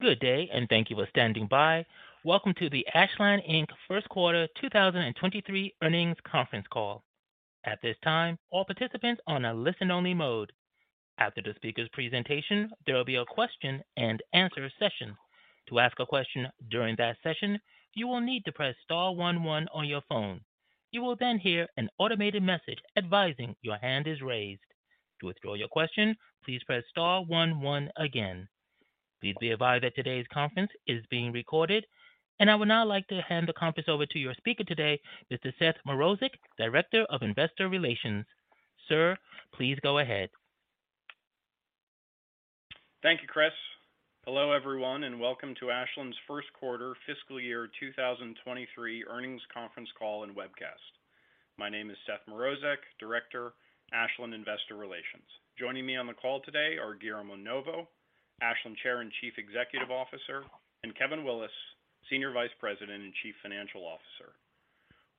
Good day, thank you for standing by. Welcome to the Ashland Inc First Quarter 2023 Earnings Conference Call. At this time, all participants are on a listen only mode. After the speaker's presentation, there will be a question and answer session. To ask a question during that session, you will need to press star one one on your phone. You will hear an automated message advising your hand is raised. To withdraw your question, please press star one one again. Please be advised that today's conference is being recorded. I would now like to hand the conference over to your speaker today, Mr. Seth Mrozek, Director of Investor Relations. Sir, please go ahead. Thank you, Chris. Welcome to Ashland's First Quarter Fiscal Year 2023 Earnings Conference Call and Webcast. My name is Seth Mrozek, Director, Ashland Investor Relations. Joining me on the call today are Guillermo Novo, Ashland Chair and Chief Executive Officer, and Kevin Willis, Senior Vice President and Chief Financial Officer.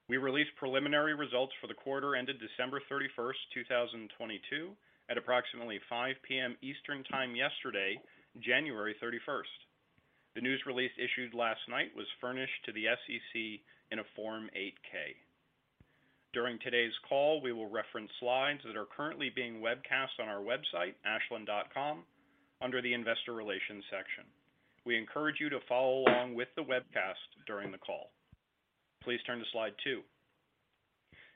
We released preliminary results for the quarter ended December 31st, 2022, at approximately 5:00 P.M. Eastern time yesterday, January 31st. The news release issued last night was furnished to the SEC in a Form 8-K. During today's call, we will reference slides that are currently being webcast on our website, ashland.com, under the Investor Relations section. We encourage you to follow along with the webcast during the call. Please turn to slide two.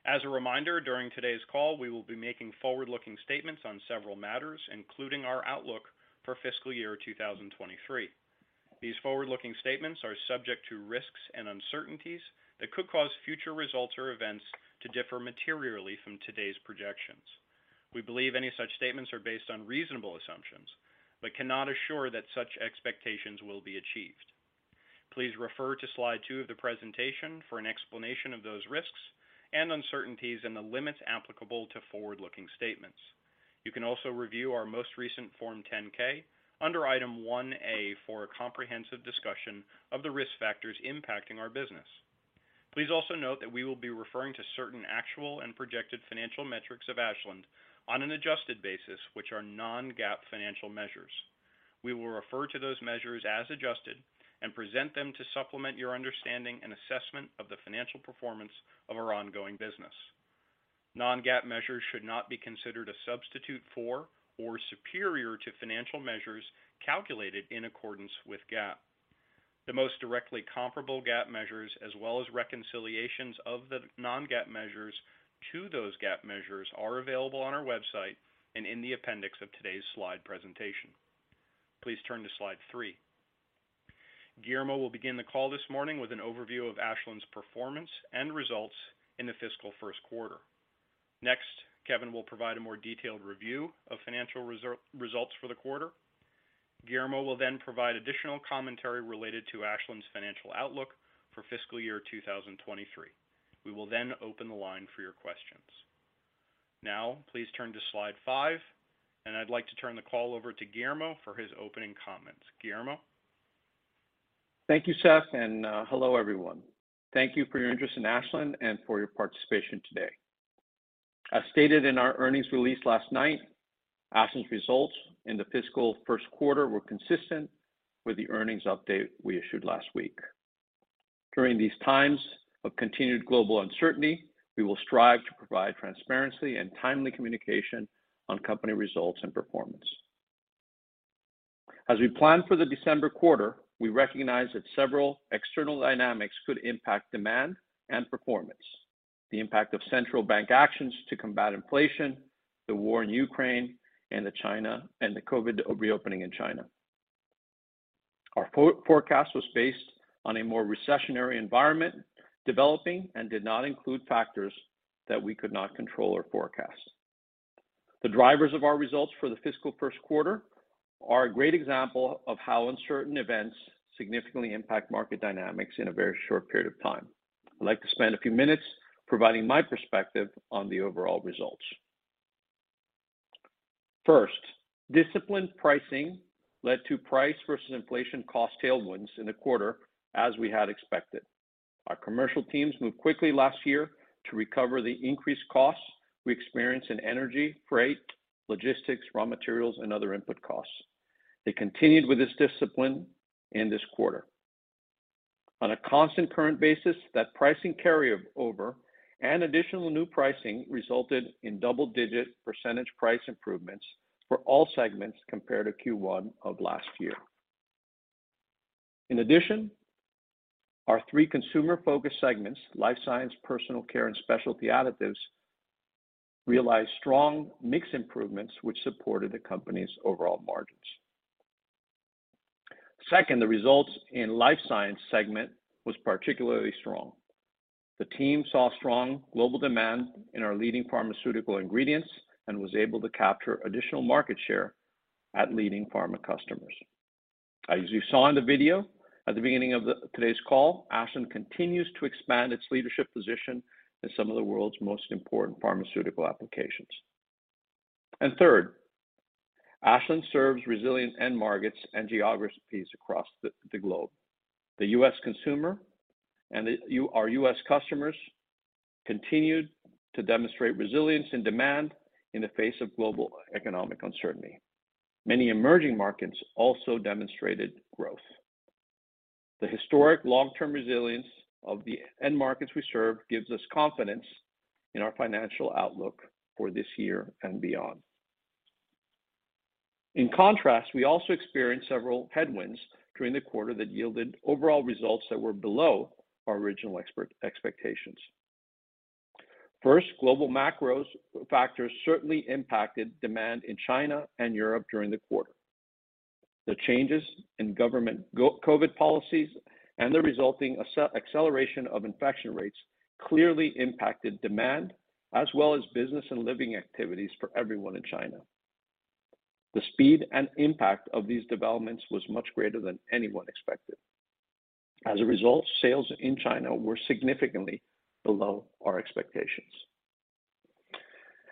As a reminder, during today's call, we will be making forward-looking statements on several matters, including our outlook for fiscal year 2023. These forward-looking statements are subject to risks and uncertainties that could cause future results or events to differ materially from today's projections. We believe any such statements are based on reasonable assumptions, but cannot assure that such expectations will be achieved. Please refer to slide two of the presentation for an explanation of those risks and uncertainties and the limits applicable to forward-looking statements. You can also review our most recent Form 10-K under Item 1A for a comprehensive discussion of the risk factors impacting our business. Please also note that we will be referring to certain actual and projected financial metrics of Ashland on an adjusted basis, which are non-GAAP financial measures. We will refer to those measures as adjusted and present them to supplement your understanding and assessment of the financial performance of our ongoing business. Non-GAAP measures should not be considered a substitute for or superior to financial measures calculated in accordance with GAAP. The most directly comparable GAAP measures, as well as reconciliations of the non-GAAP measures to those GAAP measures, are available on our website and in the appendix of today's slide presentation. Please turn to slide three. Guillermo will begin the call this morning with an overview of Ashland's performance and results in the fiscal first quarter. Kevin will provide a more detailed review of financial results for the quarter. Guillermo will provide additional commentary related to Ashland's financial outlook for fiscal year 2023. We will open the line for your questions. Now please turn to slide five, and I'd like to turn the call over to Guillermo for his opening comments. Guillermo. Thank you, Seth. Hello, everyone. Thank you for your interest in Ashland and for your participation today. As stated in our earnings release last night, Ashland's results in the fiscal first quarter were consistent with the earnings update we issued last week. During these times of continued global uncertainty, we will strive to provide transparency and timely communication on company results and performance. As we plan for the December quarter, we recognize that several external dynamics could impact demand and performance, the impact of central bank actions to combat inflation, the war in Ukraine and the COVID reopening in China. Our forecast was based on a more recessionary environment developing and did not include factors that we could not control or forecast. The drivers of our results for the fiscal first quarter are a great example of how uncertain events significantly impact market dynamics in a very short period of time. I'd like to spend a few minutes providing my perspective on the overall results. First, disciplined pricing led to price versus inflation cost tailwinds in the quarter, as we had expected. Our commercial teams moved quickly last year to recover the increased costs we experienced in energy, freight, logistics, raw materials, and other input costs. They continued with this discipline in this quarter. On a constant current basis, that pricing carry over and additional new pricing resulted in double-digit % price improvements for all segments compared to Q1 of last year. In addition, our three consumer-focused segments, Life Sciences, Personal Care, and Specialty Additives, realized strong mix improvements which supported the company's overall margins. Second, the results in Life Sciences segment was particularly strong. The team saw strong global demand in our leading pharmaceutical ingredients and was able to capture additional market share at leading pharma customers. As you saw in the video at the beginning of today's call, Ashland continues to expand its leadership position in some of the world's most important pharmaceutical applications. Third, Ashland serves resilient end markets and geographies across the globe. The U.S. consumer and our U.S. customers continued to demonstrate resilience in demand in the face of global economic uncertainty. Many emerging markets also demonstrated growth. The historic long-term resilience of the end markets we serve gives us confidence in our financial outlook for this year and beyond. In contrast, we also experienced several headwinds during the quarter that yielded overall results that were below our original expectations. First, global macros factors certainly impacted demand in China and Europe during the quarter. The changes in government COVID policies and the resulting acceleration of infection rates clearly impacted demand as well as business and living activities for everyone in China. The speed and impact of these developments was much greater than anyone expected. As a result, sales in China were significantly below our expectations.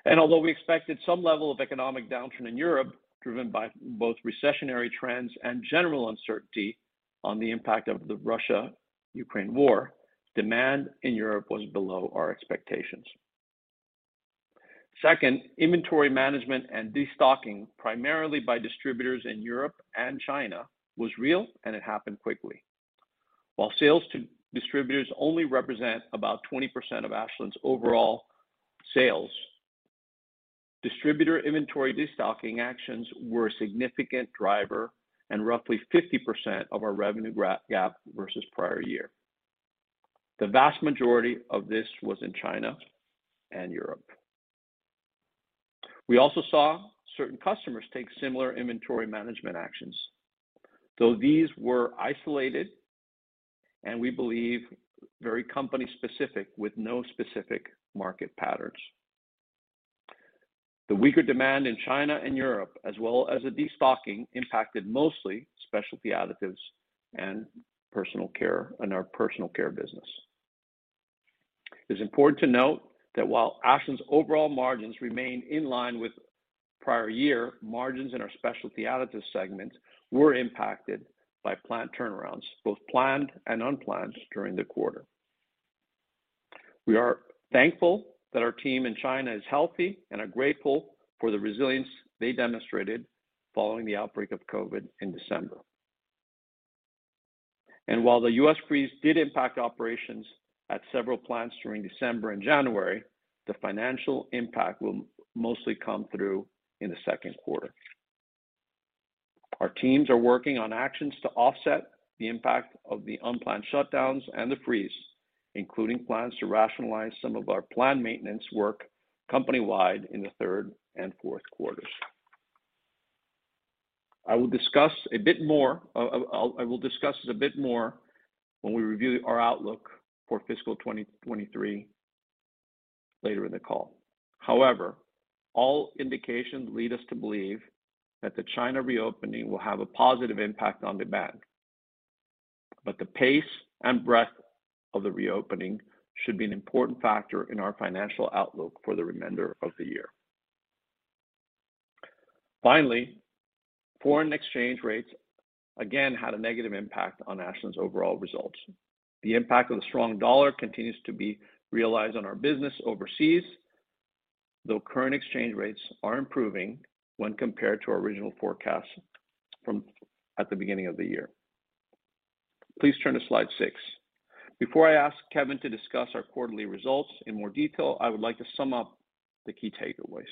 Although we expected some level of economic downturn in Europe, driven by both recessionary trends and general uncertainty on the impact of the Russia-Ukraine war, demand in Europe was below our expectations. Second, inventory management and destocking, primarily by distributors in Europe and China, was real, and it happened quickly. While sales to distributors only represent about 20% of Ashland's overall sales, distributor inventory destocking actions were a significant driver and roughly 50% of our revenue gap versus prior year. The vast majority of this was in China and Europe. We also saw certain customers take similar inventory management actions, though these were isolated and we believe very company-specific with no specific market patterns. The weaker demand in China and Europe, as well as the destocking, impacted mostly Specialty Additives and Personal Care in our Personal Care business. It is important to note that while Ashland's overall margins remain in line with prior year, margins in our Specialty Additives segment were impacted by plant turnarounds, both planned and unplanned, during the quarter. We are thankful that our team in China is healthy and are grateful for the resilience they demonstrated following the outbreak of COVID in December. While the U.S. freeze did impact operations at several plants during December and January, the financial impact will mostly come through in the second quarter. Our teams are working on actions to offset the impact of the unplanned shutdowns and the freeze, including plans to rationalize some of our planned maintenance work company-wide in the third and fourth quarters. I will discuss this a bit more when we review our outlook for fiscal 2023 later in the call. All indications lead us to believe that the China reopening will have a positive impact on demand. The pace and breadth of the reopening should be an important factor in our financial outlook for the remainder of the year. Foreign exchange rates again had a negative impact on Ashland's overall results. The impact of the strong dollar continues to be realized on our business overseas, though current exchange rates are improving when compared to our original forecast from at the beginning of the year. Please turn to slide six. Before I ask Kevin to discuss our quarterly results in more detail, I would like to sum up the key takeaways.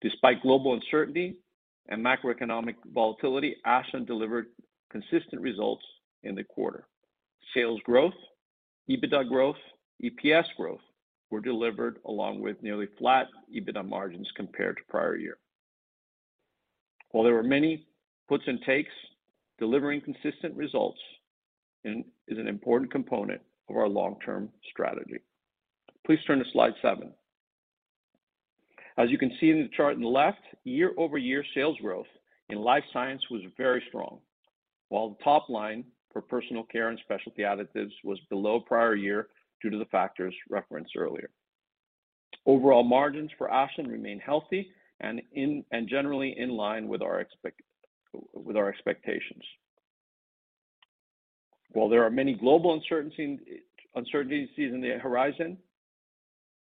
Despite global uncertainty and macroeconomic volatility, Ashland delivered consistent results in the quarter. Sales growth, EBITDA growth, EPS growth were delivered along with nearly flat EBITDA margins compared to prior year. While there were many puts and takes, delivering consistent results is an important component of our long-term strategy. Please turn to slide seven. As you can see in the chart on the left, year-over-year sales growth in Life Sciences was very strong, while the top line for Personal Care and Specialty Additives was below prior year due to the factors referenced earlier. Overall margins for Ashland remain healthy and generally in line with our expectations. While there are many global uncertainties in the horizon,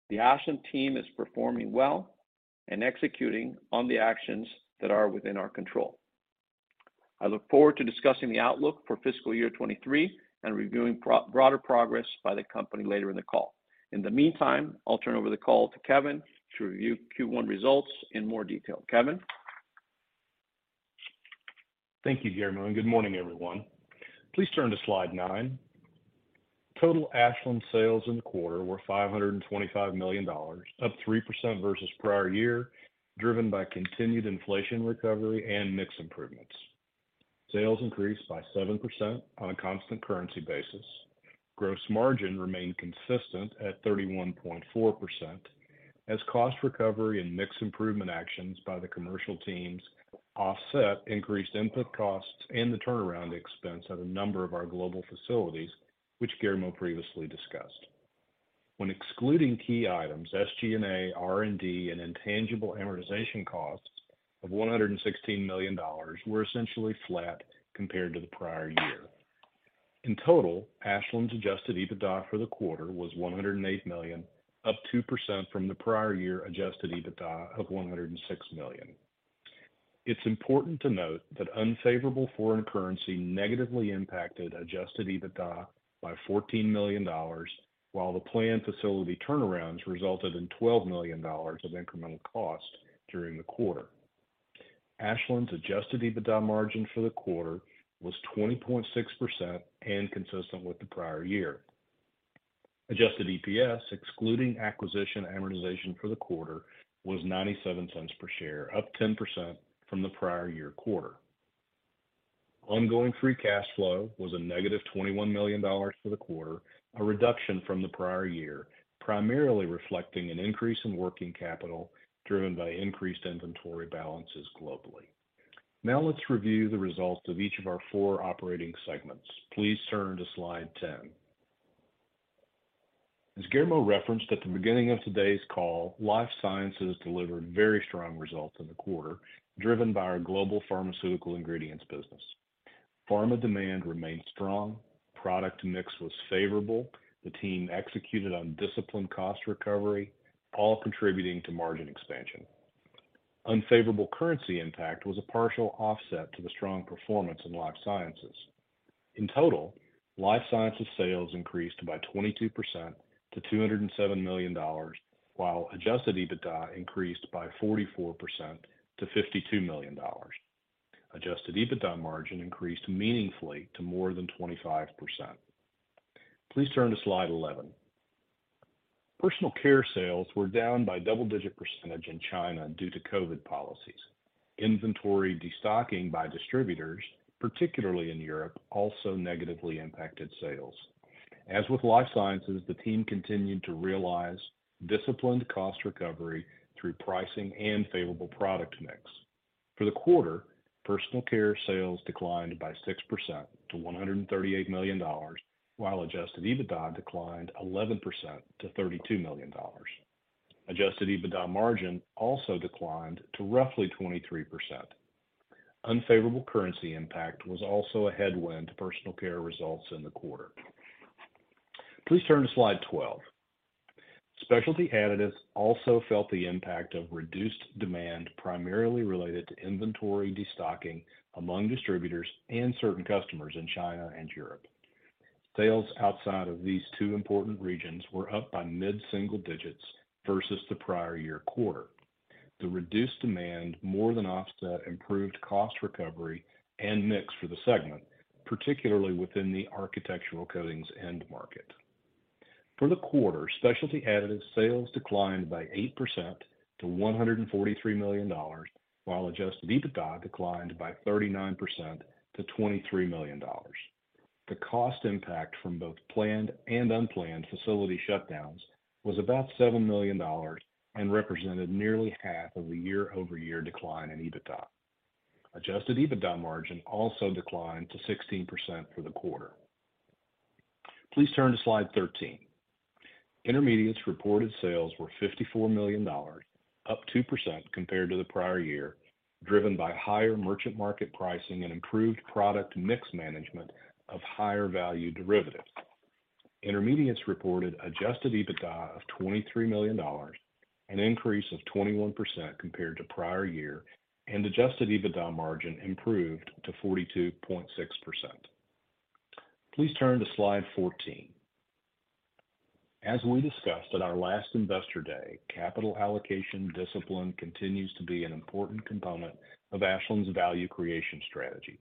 the Ashland team is performing well and executing on the actions that are within our control. I look forward to discussing the outlook for fiscal year 2023 and reviewing broader progress by the company later in the call. In the meantime, I'll turn over the call to Kevin to review Q1 results in more detail. Kevin? Thank you, Guillermo. Good morning, everyone. Please turn to slide nine. Total Ashland sales in the quarter were $525 million, up 3% versus prior year, driven by continued inflation recovery and mix improvements. Sales increased by 7% on a constant currency basis. Gross margin remained consistent at 31.4% as cost recovery and mix improvement actions by the commercial teams offset increased input costs and the turnaround expense at a number of our global facilities, which Guillermo previously discussed. When excluding key items, SG&A, R&D, and intangible amortization costs of $116 million were essentially flat compared to the prior year. In total, Ashland's adjusted EBITDA for the quarter was $108 million, up 2% from the prior year adjusted EBITDA of $106 million. It's important to note that unfavorable foreign currency negatively impacted adjusted EBITDA by $14 million, while the planned facility turnarounds resulted in $12 million of incremental cost during the quarter. Ashland's adjusted EBITDA margin for the quarter was 20.6% and consistent with the prior year. Adjusted EPS, excluding acquisition amortization for the quarter, was $0.97 per share, up 10% from the prior year quarter. Ongoing free cash flow was a -$21 million for the quarter, a reduction from the prior year, primarily reflecting an increase in working capital, driven by increased inventory balances globally. Let's review the results of each of our four operating segments. Please turn to slide 10. As Guillermo referenced at the beginning of today's call, Life Sciences delivered very strong results in the quarter, driven by our global pharmaceutical ingredients business. Pharma demand remained strong, product mix was favorable, the team executed on disciplined cost recovery, all contributing to margin expansion. Unfavorable currency impact was a partial offset to the strong performance in Life Sciences. In total, Life Sciences sales increased by 22% to $207 million, while adjusted EBITDA increased by 44% to $52 million. Adjusted EBITDA margin increased meaningfully to more than 25%. Please turn to slide 11. Personal Care sales were down by double-digit percentage in China due to COVID policies. Inventory destocking by distributors, particularly in Europe, also negatively impacted sales. As with Life Sciences, the team continued to realize disciplined cost recovery through pricing and favorable product mix. For the quarter, Personal Care sales declined by 6% to $138 million, while adjusted EBITDA declined 11% to $32 million. Adjusted EBITDA margin also declined to roughly 23%. Unfavorable currency impact was also a headwind to Personal Care results in the quarter. Please turn to slide 12. Specialty Additives also felt the impact of reduced demand, primarily related to inventory destocking among distributors and certain customers in China and Europe. Sales outside of these two important regions were up by mid-single digits versus the prior year quarter. The reduced demand more than offset improved cost recovery and mix for the segment, particularly within the architectural coatings end market. For the quarter, Specialty Additives sales declined by 8% to $143 million, while adjusted EBITDA declined by 39% to $23 million. The cost impact from both planned and unplanned facility shutdowns was about $7 million and represented nearly half of the year-over-year decline in EBITDA. Adjusted EBITDA margin also declined to 16% for the quarter. Please turn to slide 13. Intermediates reported sales were $54 million, up 2% compared to the prior year, driven by higher merchant market pricing and improved product mix management of higher value derivatives. Intermediates reported adjusted EBITDA of $23 million, an increase of 21% compared to prior year, and adjusted EBITDA margin improved to 42.6%. Please turn to slide 14. As we discussed at our last Investor Day, capital allocation discipline continues to be an important component of Ashland's value creation strategy.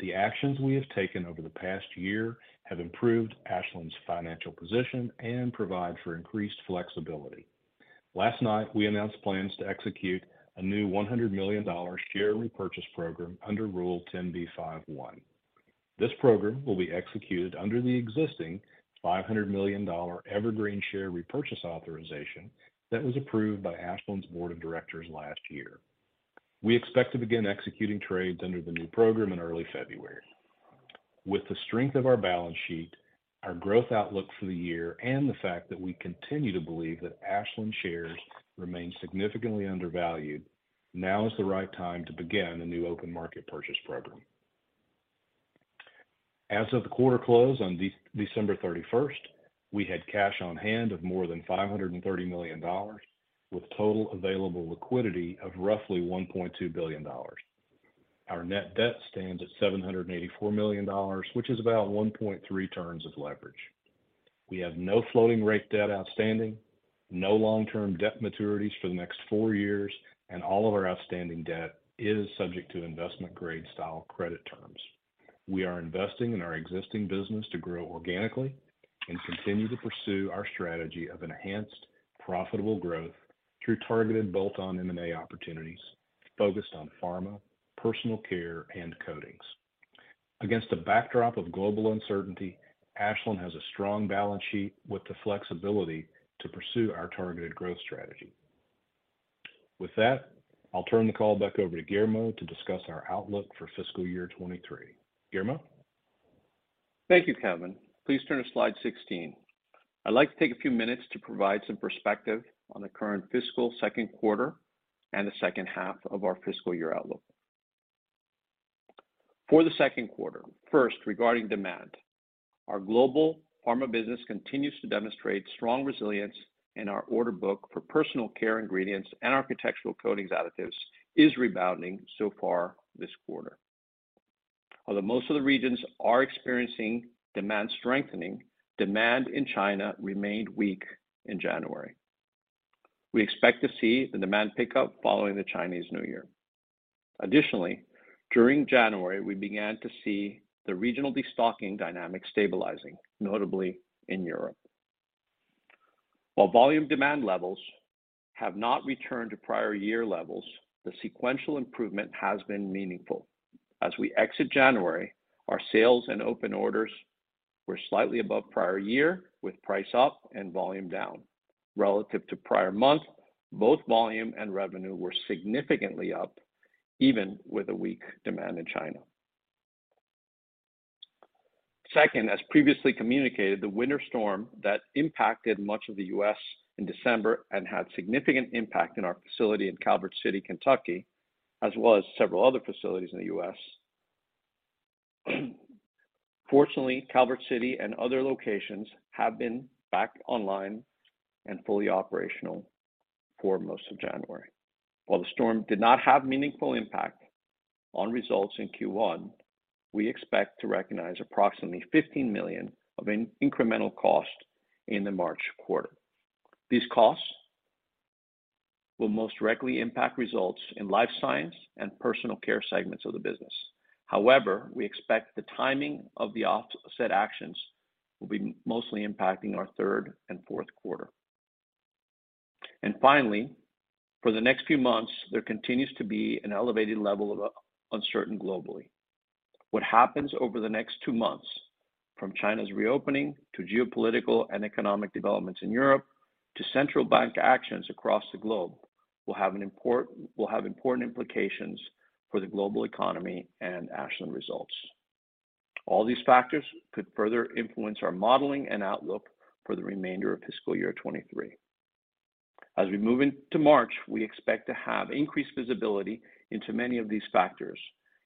The actions we have taken over the past year have improved Ashland's financial position and provide for increased flexibility. Last night, we announced plans to execute a new $100 million share repurchase program under Rule 10b5-1. This program will be executed under the existing $500 million evergreen share repurchase authorization that was approved by Ashland's Board of Directors last year. We expect to begin executing trades under the new program in early February. With the strength of our balance sheet, our growth outlook for the year, and the fact that we continue to believe that Ashland shares remain significantly undervalued, now is the right time to begin a new open market purchase program. As of the quarter close on December thirty-first, we had cash on hand of more than $530 million, with total available liquidity of roughly $1.2 billion. Our net debt stands at $784 million, which is about 1.3 turns of leverage. We have no floating rate debt outstanding, no long-term debt maturities for the next four years, and all of our outstanding debt is subject to investment-grade style credit terms. We are investing in our existing business to grow organically and continue to pursue our strategy of enhanced, profitable growth through targeted bolt-on M&A opportunities focused on pharma, personal care, and coatings. Against a backdrop of global uncertainty, Ashland has a strong balance sheet with the flexibility to pursue our targeted growth strategy. With that, I'll turn the call back over to Guillermo to discuss our outlook for fiscal year 2023. Guillermo? Thank you, Kevin. Please turn to slide 16. I'd like to take a few minutes to provide some perspective on the current fiscal second quarter and the second half of our fiscal year outlook. For the second quarter, first, regarding demand, our global pharma business continues to demonstrate strong resilience in our order book for Personal Care ingredients and our architectural coatings additives is rebounding so far this quarter. Although most of the regions are experiencing demand strengthening, demand in China remained weak in January. We expect to see the demand pick up following the Chinese New Year. Additionally, during January, we began to see the regional destocking dynamic stabilizing, notably in Europe. While volume demand levels have not returned to prior year levels, the sequential improvement has been meaningful. As we exit January, our sales and open orders were slightly above prior year, with price up and volume down. Relative to prior month, both volume and revenue were significantly up, even with a weak demand in China. Second, as previously communicated, the winter storm that impacted much of the U.S. in December and had significant impact in our facility in Calvert City, Kentucky, as well as several other facilities in the U.S. Fortunately, Calvert City and other locations have been back online and fully operational for most of January. While the storm did not have meaningful impact on results in Q1, we expect to recognize approximately $15 million of incremental cost in the March quarter. These costs will most directly impact results in Life Sciences and Personal Care segments of the business. However, we expect the timing of the off-said actions will be mostly impacting our third and fourth quarter. Finally, for the next few months, there continues to be an elevated level of uncertain globally. What happens over the next two months, from China's reopening to geopolitical and economic developments in Europe, to central bank actions across the globe, will have important implications for the global economy and Ashland results. All these factors could further influence our modeling and outlook for the remainder of fiscal year 2023. As we move into March, we expect to have increased visibility into many of these factors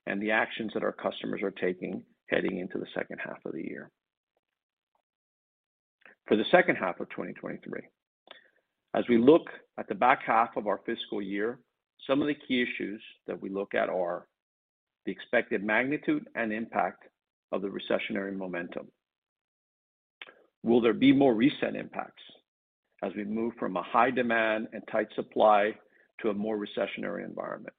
and the actions that our customers are taking heading into the second half of the year. For the second half of 2023, as we look at the back half of our fiscal year, some of the key issues that we look at are the expected magnitude and impact of the recessionary momentum. Will there be more recent impacts as we move from a high demand and tight supply to a more recessionary environment?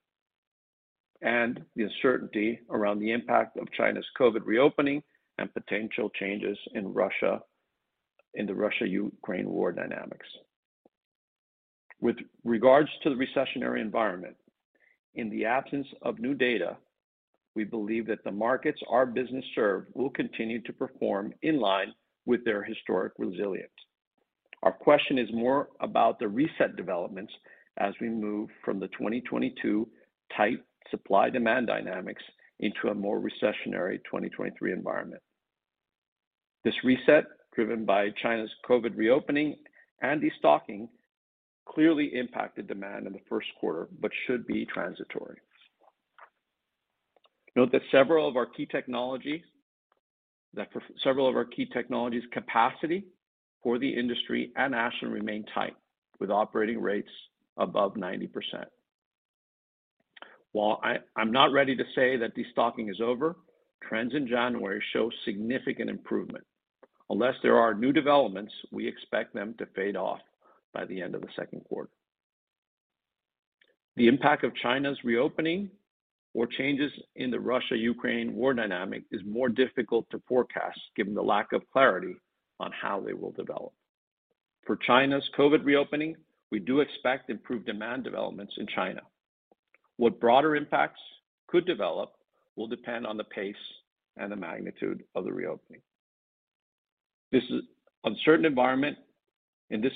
The uncertainty around the impact of China's COVID reopening and potential changes in the Russia-Ukraine war dynamics. With regards to the recessionary environment, in the absence of new data, we believe that the markets our business serve will continue to perform in line with their historic resilience. Our question is more about the reset developments as we move from the 2022 tight supply-demand dynamics into a more recessionary 2023 environment. This reset, driven by China's COVID reopening and destocking, clearly impacted demand in the first quarter, but should be transitory. Note that for several of our key technologies capacity for the industry and Ashland remain tight, with operating rates above 90%. While I'm not ready to say that destocking is over, trends in January show significant improvement. Unless there are new developments, we expect them to fade off by the end of the second quarter. The impact of China's reopening or changes in the Russia-Ukraine war dynamic is more difficult to forecast, given the lack of clarity on how they will develop. For China's COVID reopening, we do expect improved demand developments in China. What broader impacts could develop will depend on the pace and the magnitude of the reopening. This is uncertain environment. In this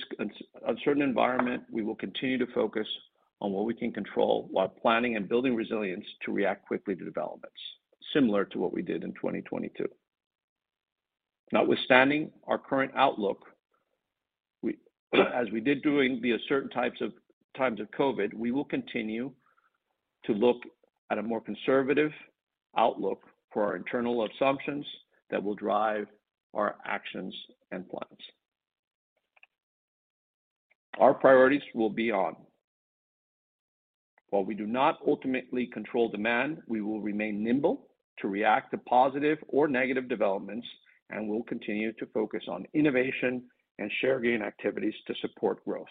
uncertain environment, we will continue to focus on what we can control while planning and building resilience to react quickly to developments, similar to what we did in 2022. Notwithstanding our current outlook, we, as we did during the uncertain times of COVID, we will continue to look at a more conservative outlook for our internal assumptions that will drive our actions and plans. Our priorities will be on: While we do not ultimately control demand, we will remain nimble to react to positive or negative developments, and we'll continue to focus on innovation and share gain activities to support growth.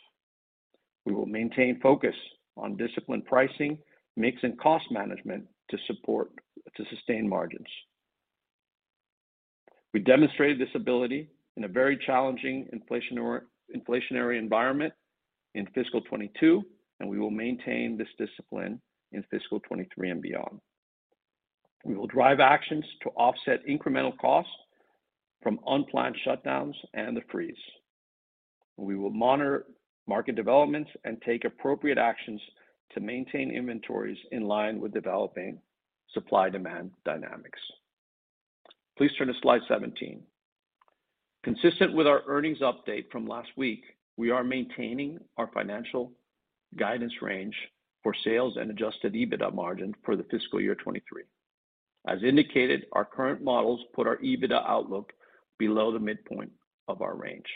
We will maintain focus on disciplined pricing, mix, and cost management to sustain margins. We demonstrated this ability in a very challenging inflationary environment in fiscal 2022, and we will maintain this discipline in fiscal 2023 and beyond. We will drive actions to offset incremental costs from unplanned shutdowns and the freeze. We will monitor market developments and take appropriate actions to maintain inventories in line with developing supply-demand dynamics. Please turn to slide 17. Consistent with our earnings update from last week, we are maintaining our financial guidance range for sales and adjusted EBITDA margin for the fiscal year 2023. As indicated, our current models put our EBITDA outlook below the midpoint of our range.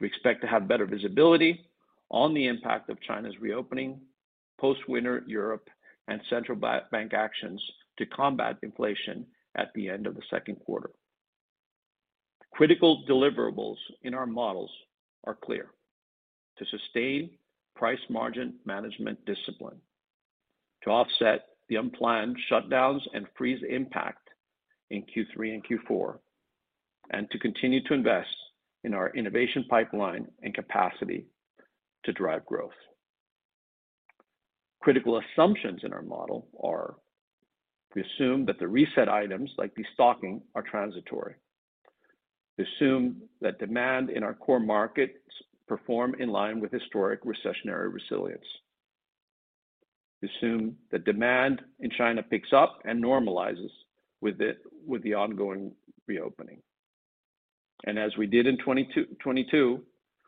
We expect to have better visibility on the impact of China's reopening, post-winter Europe, and central bank actions to combat inflation at the end of the second quarter. Critical deliverables in our models are clear: to sustain price margin management discipline, to offset the unplanned shutdowns and freeze impact in Q3 and Q4, and to continue to invest in our innovation pipeline and capacity to drive growth. Critical assumptions in our model are, we assume that the reset items like destocking are transitory. We assume that demand in our core markets perform in line with historic recessionary resilience. We assume that demand in China picks up and normalizes with the ongoing reopening. As we did in 2022,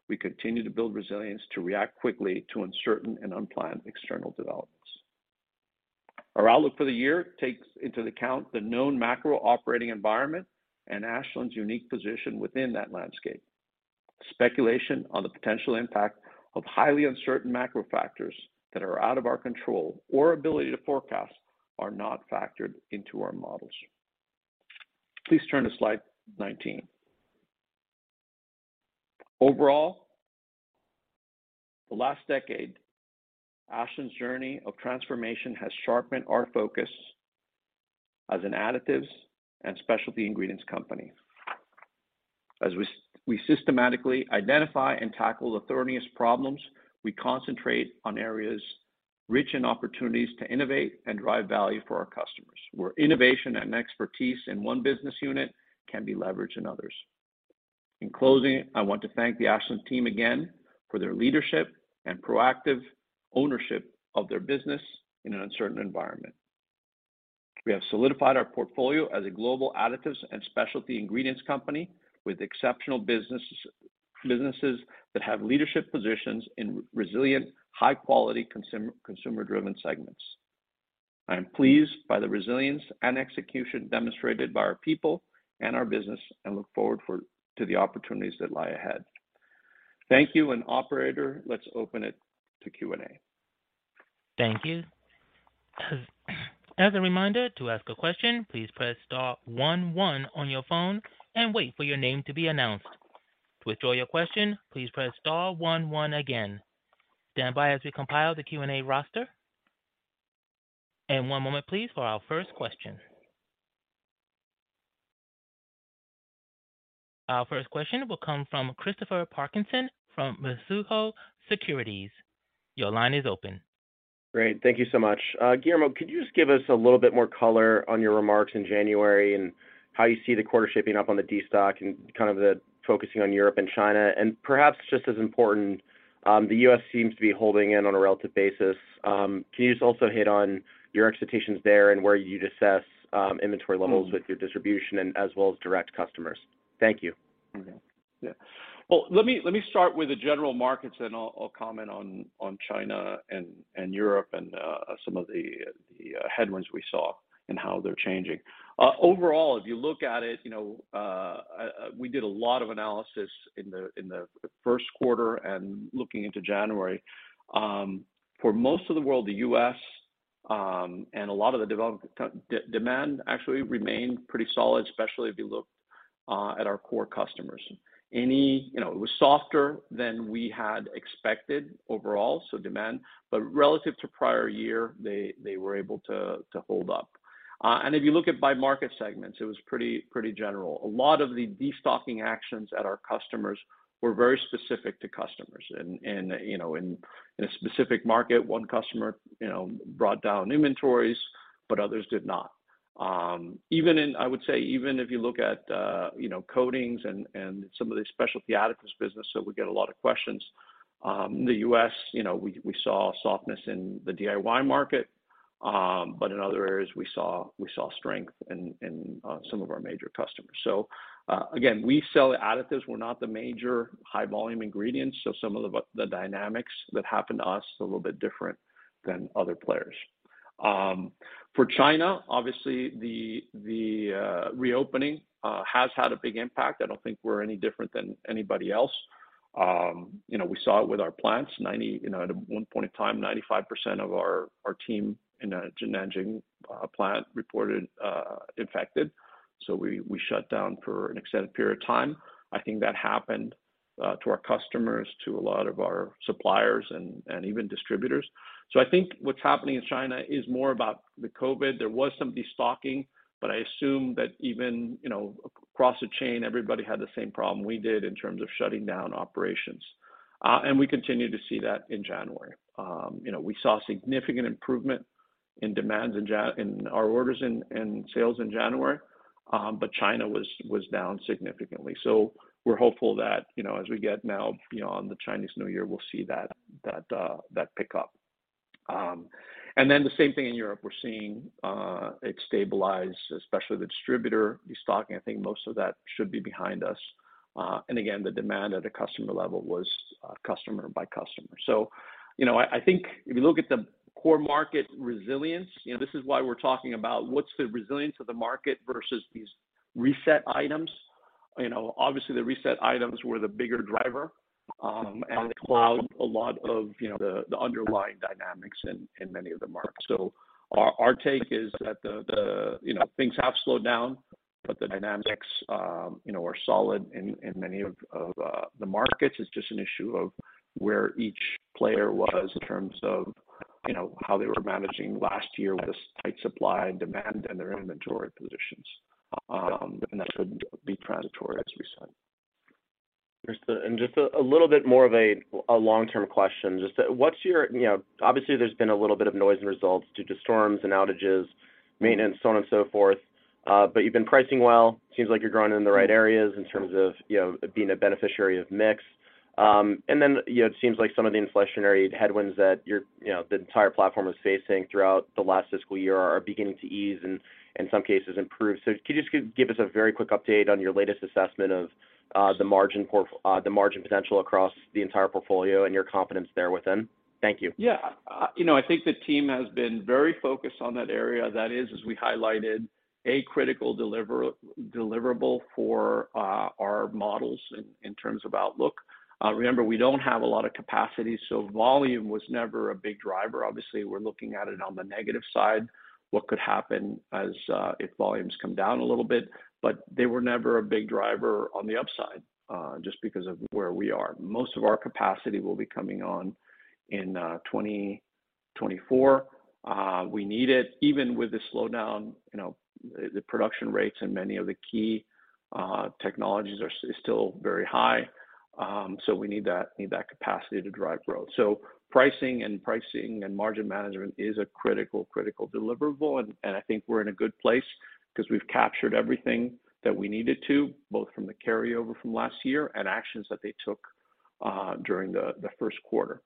we continue to build resilience to react quickly to uncertain and unplanned external developments. Our outlook for the year takes into account the known macro operating environment and Ashland's unique position within that landscape. Speculation on the potential impact of highly uncertain macro factors that are out of our control or ability to forecast are not factored into our models. Please turn to slide 19. Overall, the last decade, Ashland's journey of transformation has sharpened our focus as an additives and specialty ingredients company. As we systematically identify and tackle the thorniest problems, we concentrate on areas rich in opportunities to innovate and drive value for our customers, where innovation and expertise in one business unit can be leveraged in others. In closing, I want to thank the Ashland team again for their leadership and proactive ownership of their business in an uncertain environment. We have solidified our portfolio as a global additives and specialty ingredients company with exceptional businesses that have leadership positions in resilient, high-quality consumer-driven segments. I am pleased by the resilience and execution demonstrated by our people and our business and look forward to the opportunities that lie ahead. Thank you, and operator, let's open it to Q&A. Thank you. As a reminder, to ask a question, please press star one one on your phone and wait for your name to be announced. To withdraw your question, please press star one one again. Stand by as we compile the Q&A roster. One moment please for our first question. Our first question will come from Christopher Parkinson from Mizuho Securities. Your line is open. Great. Thank you so much. Guillermo, could you just give us a little bit more color on your remarks in January and how you see the quarter shaping up on the destock and kind of the focusing on Europe and China? Perhaps just as important, the U.S. seems to be holding in on a relative basis. Can you just also hit on your expectations there and where you'd assess inventory levels with your distribution and as well as direct customers? Thank you. Yeah. Well, let me start with the general markets, and I'll comment on China and Europe and some of the headwinds we saw and how they're changing. Overall, if you look at it, you know, we did a lot of analysis in the first quarter and looking into January. For most of the world, the U.S., and a lot of the developed demand actually remained pretty solid, especially if you looked at our core customers. You know, it was softer than we had expected overall, so demand, but relative to prior year, they were able to hold up. If you look at by market segments, it was pretty general. A lot of the destocking actions at our customers were very specific to customers. You know, in a specific market, one customer, you know, brought down inventories, but others did not. I would say, even if you look at, you know, coatings and some of the Specialty Additives business, we get a lot of questions. In the U.S., you know, we saw softness in the DIY market, but in other areas, we saw strength in some of our major customers. Again, we sell additives, we're not the major high volume ingredients, so some of the dynamics that happen to us are a little bit different than other players. For China, obviously the reopening has had a big impact. I don't think we're any different than anybody else. You know, we saw it with our plants. You know, at one point in time, 95% of our team in the Nanjing plant reported infected. We shut down for an extended period of time. I think that happened to our customers, to a lot of our suppliers and even distributors. I think what's happening in China is more about the COVID. There was some destocking, but I assume that even, you know, across the chain, everybody had the same problem we did in terms of shutting down operations. We continue to see that in January. You know, we saw significant improvement in demands in our orders in sales in January, but China was down significantly. We're hopeful that, you know, as we get now beyond the Chinese New Year, we'll see that pick-up. Then the same thing in Europe. We're seeing it stabilize, especially the distributor destocking. I think most of that should be behind us. Again, the demand at a customer level was customer by customer. You know, I think if you look at the core market resilience, you know, this is why we're talking about what's the resilience of the market versus these reset items. You know, obviously, the reset items were the bigger driver, and it cloud a lot of, you know, the underlying dynamics in many of the markets. Our, our take is that the, you know, things have slowed down, but the dynamics, you know, are solid in many of the markets. It's just an issue of where each player was in terms of, you know, how they were managing last year with a tight supply and demand and their inventory positions. That should be transitory, as you said. Just and just a little bit more of a long-term question. You know, obviously there's been a little bit of noise in results due to storms and outages, maintenance, so on and so forth, but you've been pricing well. Seems like you're growing in the right areas in terms of, you know, being a beneficiary of mix. Then, you know, it seems like some of the inflationary headwinds that you're, you know, the entire platform was facing throughout the last fiscal year are beginning to ease and in some cases improve. So could you just give us a very quick update on your latest assessment of the margin potential across the entire portfolio and your confidence there within? Thank you. Yeah. You know, I think the team has been very focused on that area. That is, as we highlighted, a critical deliverable for our models in terms of outlook. Remember, we don't have a lot of capacity, volume was never a big driver. Obviously, we're looking at it on the negative side, what could happen as if volumes come down a little bit. They were never a big driver on the upside, just because of where we are. Most of our capacity will be coming on in 2024. We need it. Even with the slowdown, you know, the production rates in many of the key technologies are still very high. We need that capacity to drive growth. Pricing and margin management is a critical deliverable, and I think we're in a good place because we've captured everything that we needed to, both from the carryover from last year and actions that they took during the first quarter.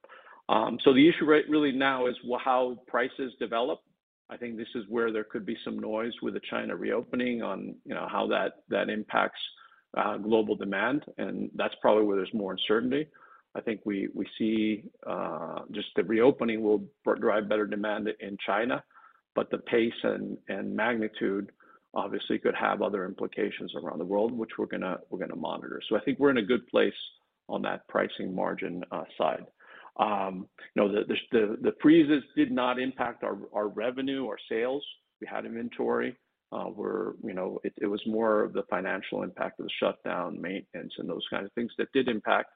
The issue really now is how prices develop. I think this is where there could be some noise with the China reopening on, you know, how that impacts global demand, and that's probably where there's more uncertainty. I think we see just the reopening will drive better demand in China, but the pace and magnitude obviously could have other implications around the world, which we're gonna monitor. I think we're in a good place on that pricing margin side. You know, the freezes did not impact our revenue, our sales. We had inventory. you know, it was more of the financial impact of the shutdown, maintenance, and those kind of things that did impact,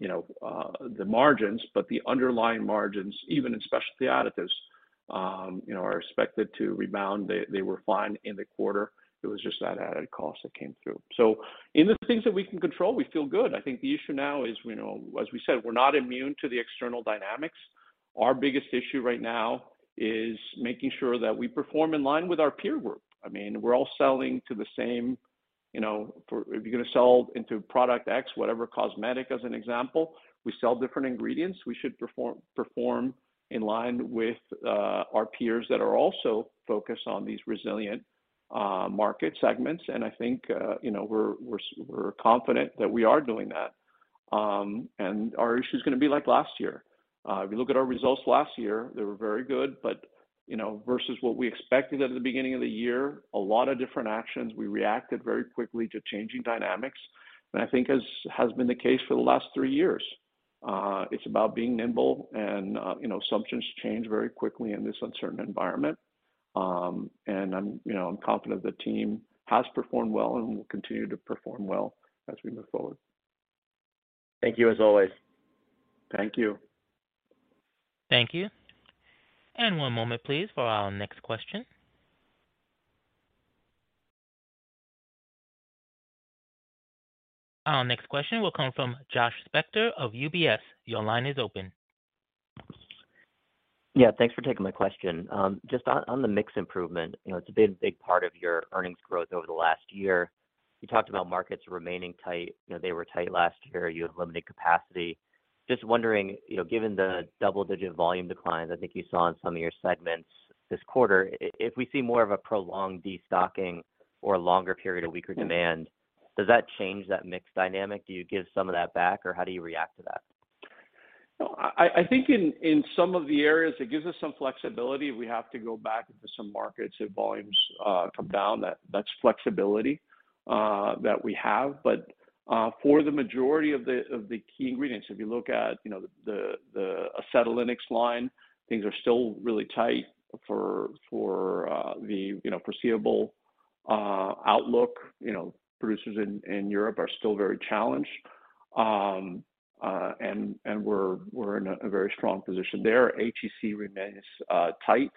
you know, the margins. The underlying margins, even in Specialty Additives, you know, are expected to rebound. They were fine in the quarter. It was just that added cost that came through. In the things that we can control, we feel good. I think the issue now is, you know, as we said, we're not immune to the external dynamics. Our biggest issue right now is making sure that we perform in line with our peer group. I mean, we're all selling to the same, you know, if you're gonna sell into product X, whatever cosmetic as an example, we sell different ingredients. We should perform in line with our peers that are also focused on these resilient market segments. I think, you know, we're confident that we are doing that. Our issue is gonna be like last year. If you look at our results last year, they were very good. You know, versus what we expected at the beginning of the year, a lot of different actions, we reacted very quickly to changing dynamics. I think as has been the case for the last three years, it's about being nimble and, you know, assumptions change very quickly in this uncertain environment. I'm, you know, I'm confident the team has performed well and will continue to perform well as we move forward. Thank you as always. Thank you. Thank you. One moment please for our next question. Our next question will come from Josh Spector of UBS. Your line is open. Yeah, thanks for taking my question. Just on the mix improvement, you know, it's been a big part of your earnings growth over the last year. You talked about markets remaining tight. You know, they were tight last year. You have limited capacity. Just wondering, you know, given the double-digit volume declines I think you saw in some of your segments this quarter, if we see more of a prolonged destocking or a longer period of weaker demand, does that change that mix dynamic? Do you give some of that back, or how do you react to that? No, I think in some of the areas it gives us some flexibility. We have to go back into some markets if volumes come down. That's flexibility that we have. For the majority of the key ingredients, if you look at, you know, the acetylenics line, things are still really tight for the, you know, foreseeable outlook. You know, producers in Europe are still very challenged. We're in a very strong position there. HEC remains tight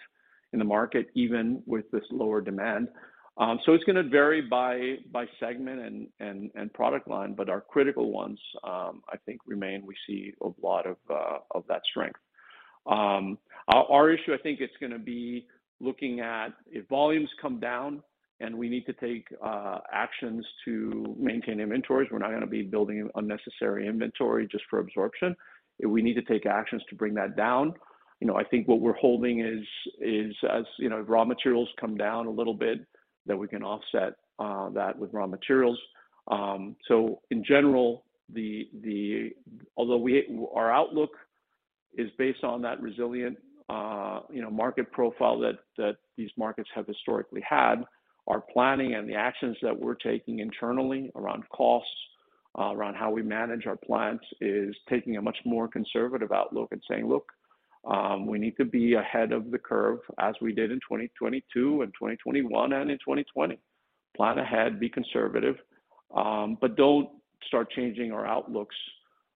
in the market, even with this lower demand. It's going to vary by segment and product line. Our critical ones, I think remain. We see a lot of that strength. Our issue I think is going to be looking at if volumes come down and we need to take actions to maintain inventories, we're not going to be building unnecessary inventory just for absorption. If we need to take actions to bring that down, you know, I think what we're holding is as, you know, raw materials come down a little bit, that we can offset that with raw materials. In general, Although our outlook is based on that resilient, you know, market profile that these markets have historically had, our planning and the actions that we're taking internally around costs, around how we manage our plants is taking a much more conservative outlook and saying, "Look, we need to be ahead of the curve as we did in 2022 and 2021 and in 2020. Plan ahead, be conservative, but don't start changing our outlooks,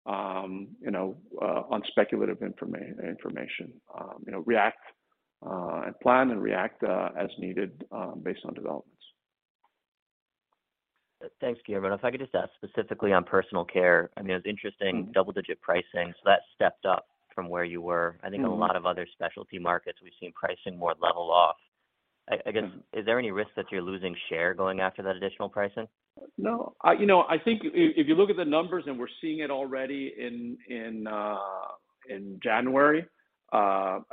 you know, on speculative information. You know, react, plan and react, as needed, based on developments. Thanks, Guillermo. If I could just ask specifically on Personal Care. I mean, it's interesting double-digit pricing, so that stepped up from where you were. Mm-hmm. I think a lot of other specialty markets we've seen pricing more level off. Yeah. I guess, is there any risk that you're losing share going after that additional pricing? No. You know, I think if you look at the numbers, we're seeing it already in January,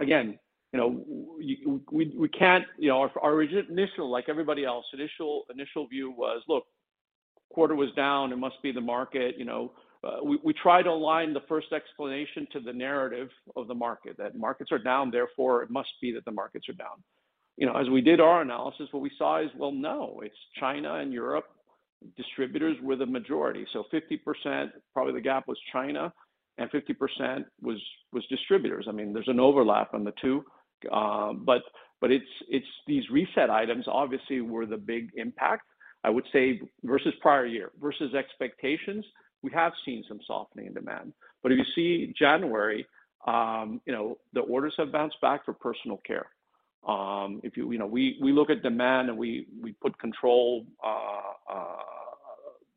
again, you know, we can't, you know, our initial, like everybody else, initial view was, "Look, quarter was down, it must be the market," you know. We try to align the first explanation to the narrative of the market, that markets are down, therefore it must be that the markets are down. You know, as we did our analysis, what we saw is, well, no, it's China and Europe. Distributors were the majority. So 50%, probably the gap was China, and 50% was distributors. I mean, there's an overlap on the two. It's these reset items obviously were the big impact, I would say, versus prior year. Versus expectations, we have seen some softening in demand. If you see January, you know, the orders have bounced back for Personal Care. You know, we look at demand and we put control,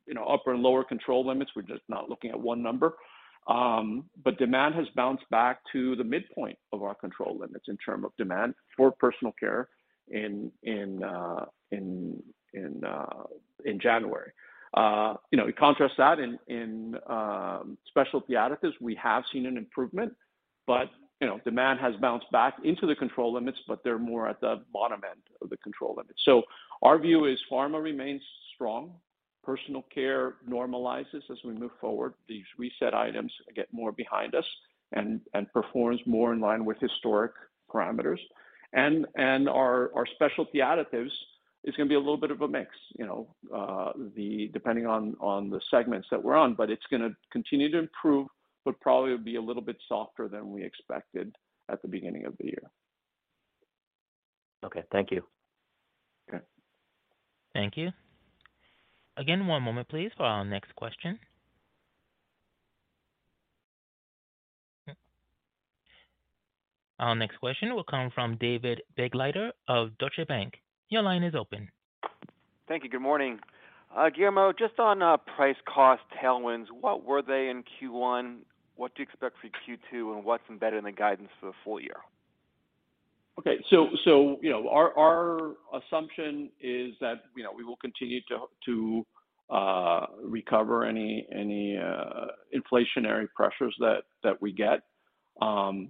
you know, upper and lower control limits. We're just not looking at one number. Demand has bounced back to the midpoint of our control limits in term of demand for Personal Care in, in January. You know, you contrast that in, Specialty Additives, we have seen an improvement. You know, demand has bounced back into the control limits, but they're more at the bottom end of the control limits. Our view is pharma remains strong. Personal Care normalizes as we move forward, these reset items get more behind us and performs more in line with historic parameters. Our Specialty Additives is gonna be a little bit of a mix. You know, depending on the segments that we're on. It's gonna continue to improve, but probably will be a little bit softer than we expected at the beginning of the year. Okay. Thank you. Okay. Thank you. Again, one moment please for our next question. Our next question will come from David Begleiter of Deutsche Bank. Your line is open. Thank you. Good morning. Guillermo, just on price cost tailwinds, what were they in Q1? What do you expect for Q2? What's embedded in the guidance for the full year? Okay. You know, our assumption is that, you know, we will continue to recover any inflationary pressures that we get.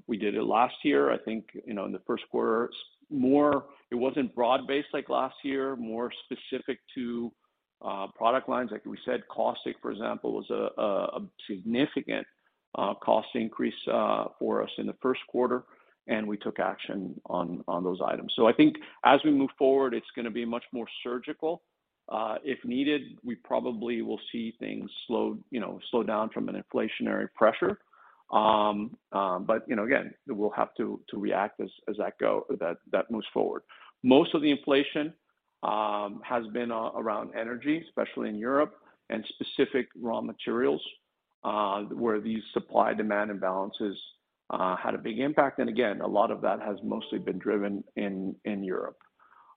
We did it last year, I think, you know, in the first quarter. It wasn't broad-based like last year. More specific to product lines. Like we said, caustic, for example, was a significant cost increase for us in the first quarter, and we took action on those items. I think as we move forward, it's gonna be much more surgical. If needed, we probably will see things slow down from an inflationary pressure. You know, again, we'll have to react as that moves forward. Most of the inflation has been around energy, especially in Europe, and specific raw materials, where these supply-demand imbalances had a big impact. A lot of that has mostly been driven in Europe.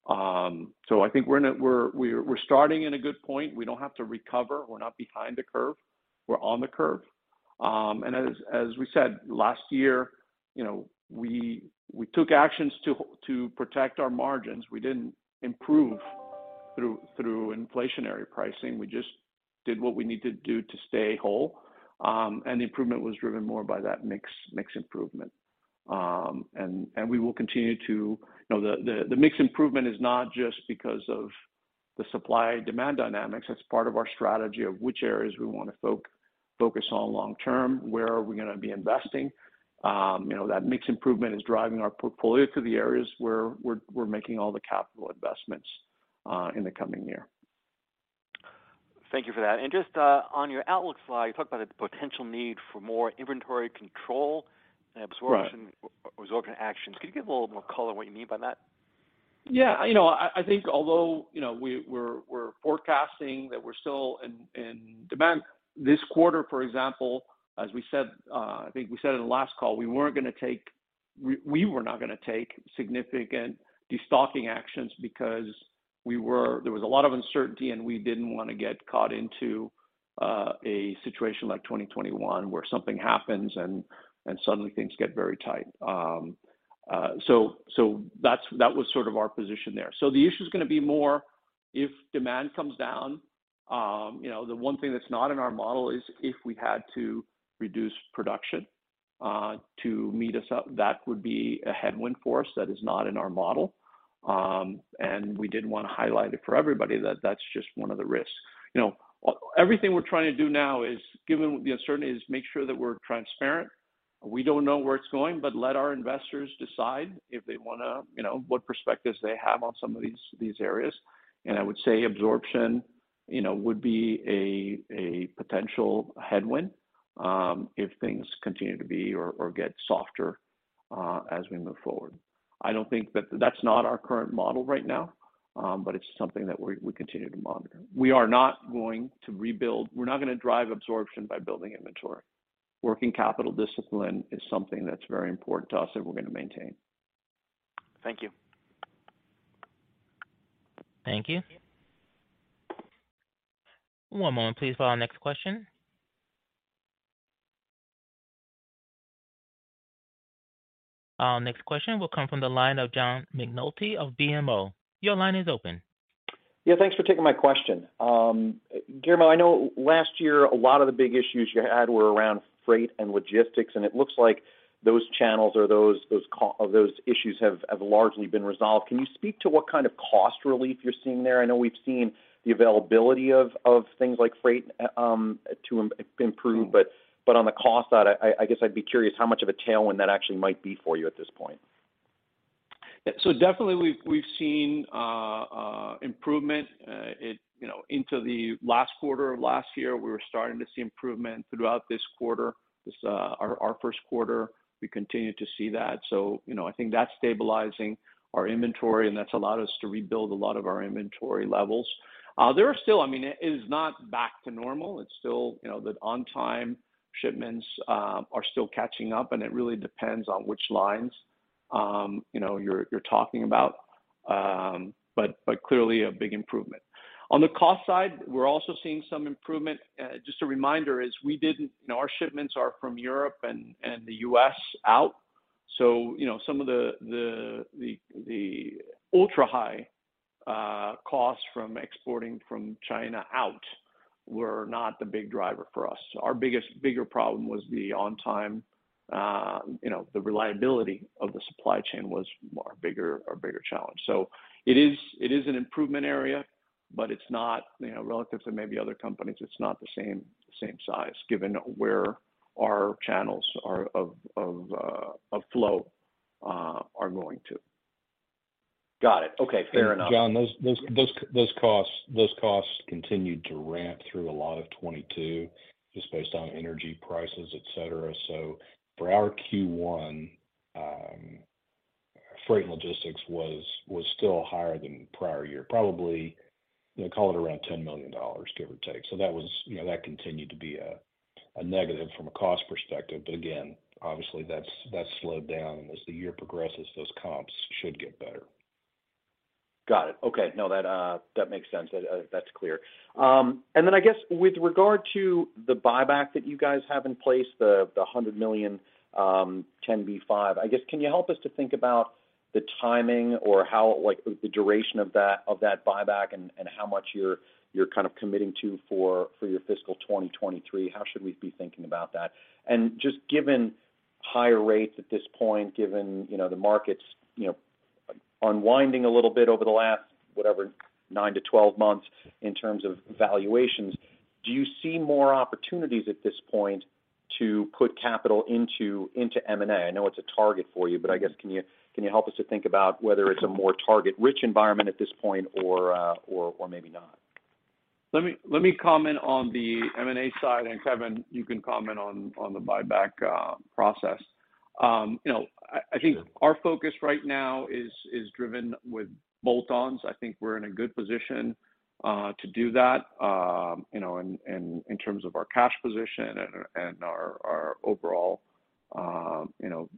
I think we're starting in a good point. We don't have to recover. We're not behind the curve. We're on the curve. As we said, last year, you know, we took actions to protect our margins. We didn't improve through inflationary pricing. We just did what we need to do to stay whole. The improvement was driven more by that mix improvement. We will continue to. You know, the mix improvement is not just because of the supply-demand dynamics. That's part of our strategy of which areas we wanna focus on long term, where are we gonna be investing. you know, that mix improvement is driving our portfolio to the areas where we're making all the capital investments in the coming year. Thank you for that. Just, on your outlook slide, you talked about the potential need for more inventory control and absorption- Right.... absorption actions. Could you give a little more color what you mean by that? You know, I think although, you know, we're forecasting that we're still in demand this quarter, for example, as we said, I think we said in the last call, we were not gonna take significant destocking actions because there was a lot of uncertainty, and we didn't wanna get caught into a situation like 2021 where something happens and suddenly things get very tight. That's, that was sort of our position there. The issue is gonna be more if demand comes down, you know, the one thing that's not in our model is if we had to reduce production to meet us up, that would be a headwind for us that is not in our model. We did wanna highlight it for everybody that that's just one of the risks. You know, everything we're trying to do now is, given the uncertainty, is make sure that we're transparent. We don't know where it's going, but let our investors decide if they wanna, you know, what perspectives they have on some of these areas. I would say absorption, you know, would be a potential headwind if things continue to be or get softer as we move forward. I don't think that's not our current model right now, but it's something that we continue to monitor. We are not going to rebuild. We're not gonna drive absorption by building inventory. Working capital discipline is something that's very important to us that we're gonna maintain. Thank you. Thank you. One moment please for our next question. Our next question will come from the line of John McNulty of BMO. Your line is open. Yeah, thanks for taking my question. Guillermo, I know last year a lot of the big issues you had were around freight and logistics, and it looks like those channels or those issues have largely been resolved. Can you speak to what kind of cost relief you're seeing there? I know we've seen the availability of things like freight to improve. On the cost side, I guess I'd be curious how much of a tailwind that actually might be for you at this point. Definitely we've seen improvement. You know, into the last quarter of last year, we were starting to see improvement throughout this quarter. This, our first quarter, we continued to see that. You know, I think that's stabilizing our inventory, and that's allowed us to rebuild a lot of our inventory levels. I mean, it is not back to normal. It's still, you know, the on time shipments are still catching up, and it really depends on which lines you're talking about, but clearly a big improvement. On the cost side, we're also seeing some improvement. Just a reminder is, you know, our shipments are from Europe and the U.S. out. You know, some of the ultra-high costs from exporting from China out were not the big driver for us. Our biggest, bigger problem was the on time, you know, the reliability of the supply chain was a bigger challenge. It is, it is an improvement area, but it's not, you know, relative to maybe other companies, it's not the same size given where our channels are of flow are going to. Got it. Okay. Fair enough. John, those costs continued to ramp through a lot of 2022 just based on energy prices, et cetera. For our Q1, freight logistics was still higher than prior year, probably, you know, call it around $10 million, give or take. That was, you know, that continued to be a negative from a cost perspective. Again, obviously, that's slowed down. As the year progresses, those comps should get better. Got it. Okay. That makes sense. That's clear. I guess with regard to the buyback that you guys have in place, the $100 million 10b5, I guess, can you help us to think about the timing or how, like, the duration of that buyback and how much you're kind of committing to for your fiscal 2023? How should we be thinking about that? Just given higher rates at this point, given, you know, the markets, you know, unwinding a little bit over the last, whatever, nine to 12 months in terms of valuations, do you see more opportunities at this point to put capital into M&A? I know it's a target for you, I guess, can you help us to think about whether it's a more target-rich environment at this point or maybe not? Let me comment on the M&A side. Kevin, you can comment on the buyback process. You know, I think our focus right now is driven with bolt-ons. I think we're in a good position to do that, you know, in terms of our cash position and our overall, you know,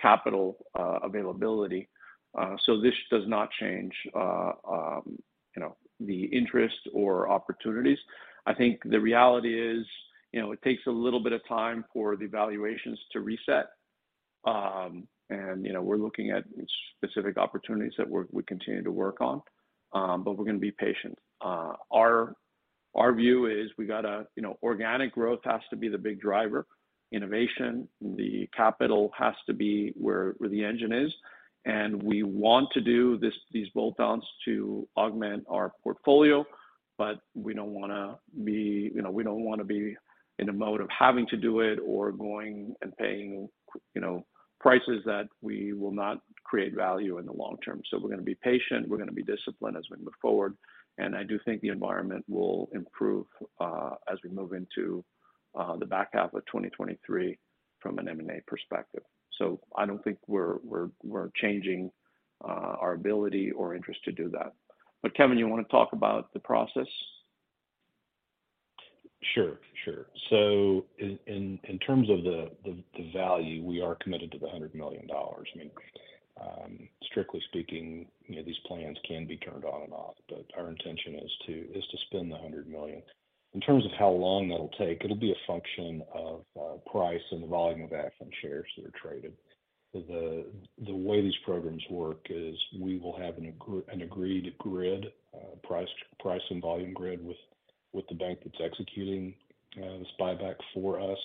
capital availability. This does not change, you know, the interest or opportunities. I think the reality is, you know, it takes a little bit of time for the valuations to reset. You know, we're looking at specific opportunities that we continue to work on. We're gonna be patient. Our view is, you know, organic growth has to be the big driver. Innovation, the capital has to be where the engine is. We want to do this, these bolt-ons to augment our portfolio, but we don't wanna be, you know, we don't wanna be in a mode of having to do it or going and paying, you know, prices that we will not create value in the long term. We're gonna be patient, we're gonna be disciplined as we move forward, and I do think the environment will improve, as we move into the back half of 2023. From an M&A perspective. I don't think we're, we're changing, our ability or interest to do that. Kevin, you wanna talk about the process? Sure. In terms of the value, we are committed to the $100 million. I mean, strictly speaking, you know, these plans can be turned on and off, but our intention is to spend the $100 million. In terms of how long that'll take, it'll be a function of price and the volume of Ashland shares that are traded. The way these programs work is we will have an agreed grid, price and volume grid with the bank that's executing this buyback for us,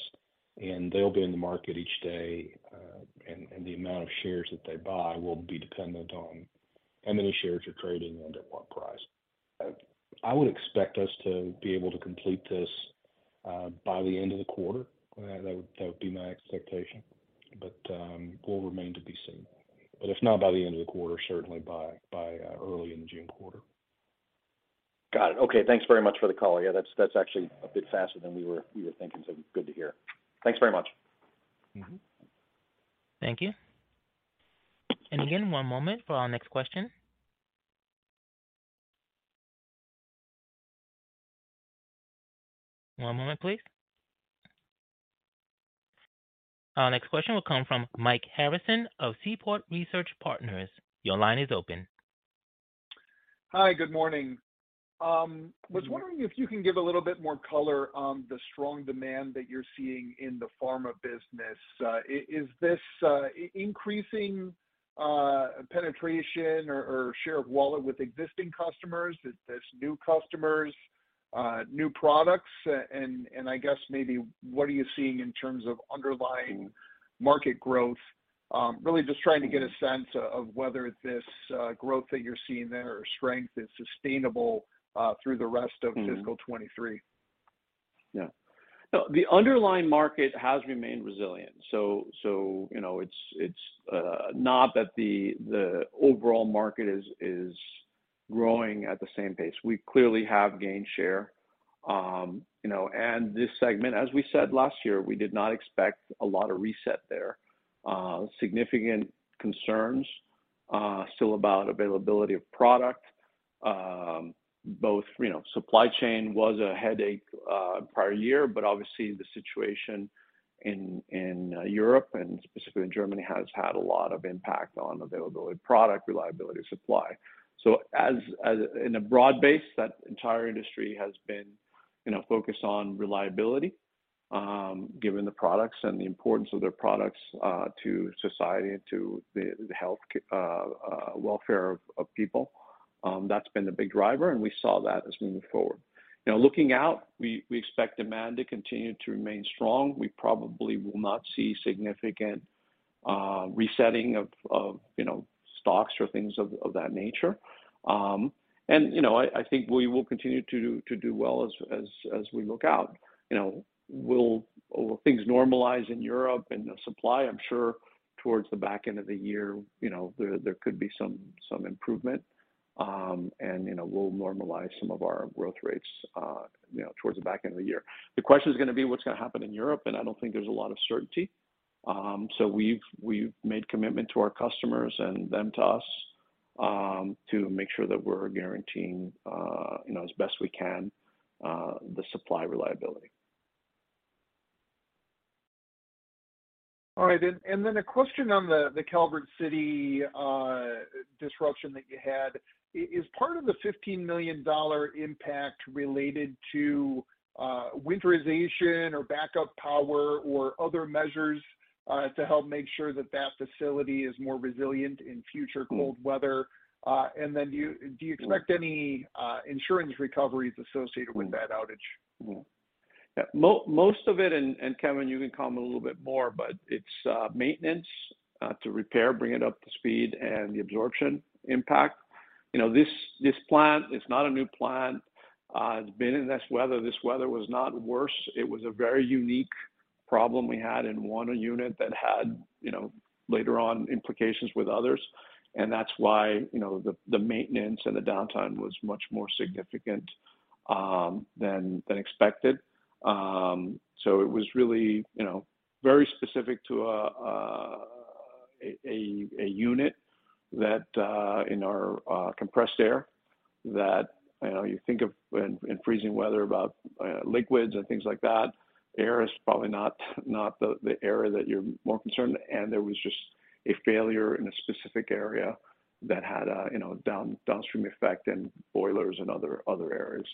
and they'll be in the market each day. The amount of shares that they buy will be dependent on how many shares you're trading and at what price. I would expect us to be able to complete this by the end of the quarter. That would be my expectation. Will remain to be seen. If not by the end of the quarter, certainly by early in the June quarter. Got it. Okay. Thanks very much for the call. Yeah, that's actually a bit faster than we were thinking, so good to hear. Thanks very much. Mm-hmm. Thank you. Again, one moment for our next question. One moment, please. Our next question will come from Mike Harrison of Seaport Research Partners. Your line is open. Hi, good morning. Was wondering if you can give a little bit more color on the strong demand that you're seeing in the pharma business? Is this increasing penetration or share of wallet with existing customers? Is this new customers, new products? I guess maybe what are you seeing in terms of underlying market growth? Really just trying to get a sense of whether this growth that you're seeing there or strength is sustainable through the rest of fiscal 2023. Yeah. No, the underlying market has remained resilient. You know, it's not that the overall market is growing at the same pace. We clearly have gained share. You know, and this segment, as we said last year, we did not expect a lot of reset there. Significant concerns still about availability of product. Both, you know, supply chain was a headache prior year, but obviously the situation in Europe and specifically in Germany has had a lot of impact on availability of product, reliability of supply. In a broad base, that entire industry has been, you know, focused on reliability, given the products and the importance of their products to society and to the welfare of people. That's been the big driver, and we saw that as we move forward. Now looking out, we expect demand to continue to remain strong. We probably will not see significant resetting of, you know, stocks or things of that nature. You know, I think we will continue to do well as we look out. You know, will things normalize in Europe and the supply? I'm sure towards the back end of the year, you know, there could be some improvement, and, you know, we'll normalize some of our growth rates, you know, towards the back end of the year. The question is gonna be what's gonna happen in Europe, and I don't think there's a lot of certainty. We've made commitment to our customers and them to us, to make sure that we're guaranteeing, you know, as best we can, the supply reliability. All right. Then a question on the Calvert City disruption that you had. Is part of the $15 million impact related to winterization or backup power or other measures to help make sure that that facility is more resilient in future cold weather? Then do you expect any insurance recoveries associated with that outage? Most of it, and Kevin, you can comment a little bit more, but it's maintenance to repair, bring it up to speed and the absorption impact. You know, this plant is not a new plant. It's been in this weather. This weather was not worse. It was a very unique problem we had in one unit that had, you know, later on implications with others. And that's why, you know, the maintenance and the downtime was much more significant than expected. It was really, you know, very specific to a unit that in our compressed air that, you know, you think of in freezing weather about liquids and things like that. Air is probably not the area that you're more concerned, and there was just a failure in a specific area that had a, you know, downstream effect in boilers and other areas.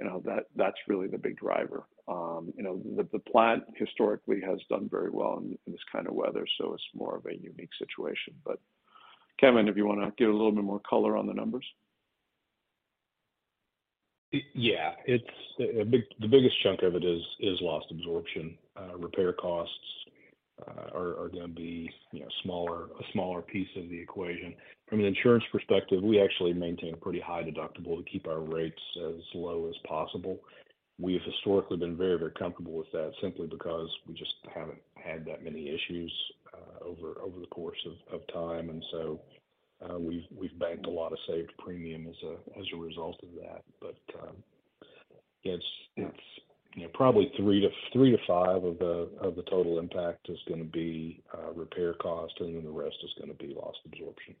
You know, that's really the big driver. You know, the plant historically has done very well in this kind of weather, so it's more of a unique situation. Kevin, if you wanna give a little bit more color on the numbers. Yeah. The biggest chunk of it is lost absorption. Repair costs are gonna be, you know, a smaller piece of the equation. From an insurance perspective, we actually maintain a pretty high deductible to keep our rates as low as possible. We have historically been very comfortable with that simply because we just haven't had that many issues over the course of time. We've banked a lot of saved premium as a result of that. it's, you know, probably three to five of the total impact is gonna be repair cost, the rest is gonna be loss absorption.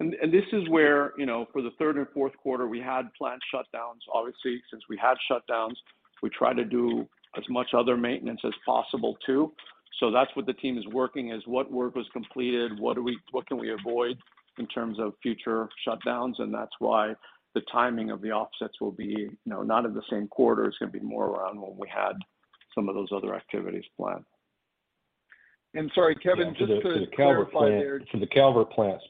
This is where, you know, for the third and fourth quarter we had plant shutdowns. Obviously, since we had shutdowns, we try to do as much other maintenance as possible too. That's what the team is working is what work was completed, what can we avoid in terms of future shutdowns. That's why the timing of the offsets will be, you know, not in the same quarter. It's gonna be more around when we had some of those other activities planned. Sorry, Kevin, just to clarify there. For the Calvert plant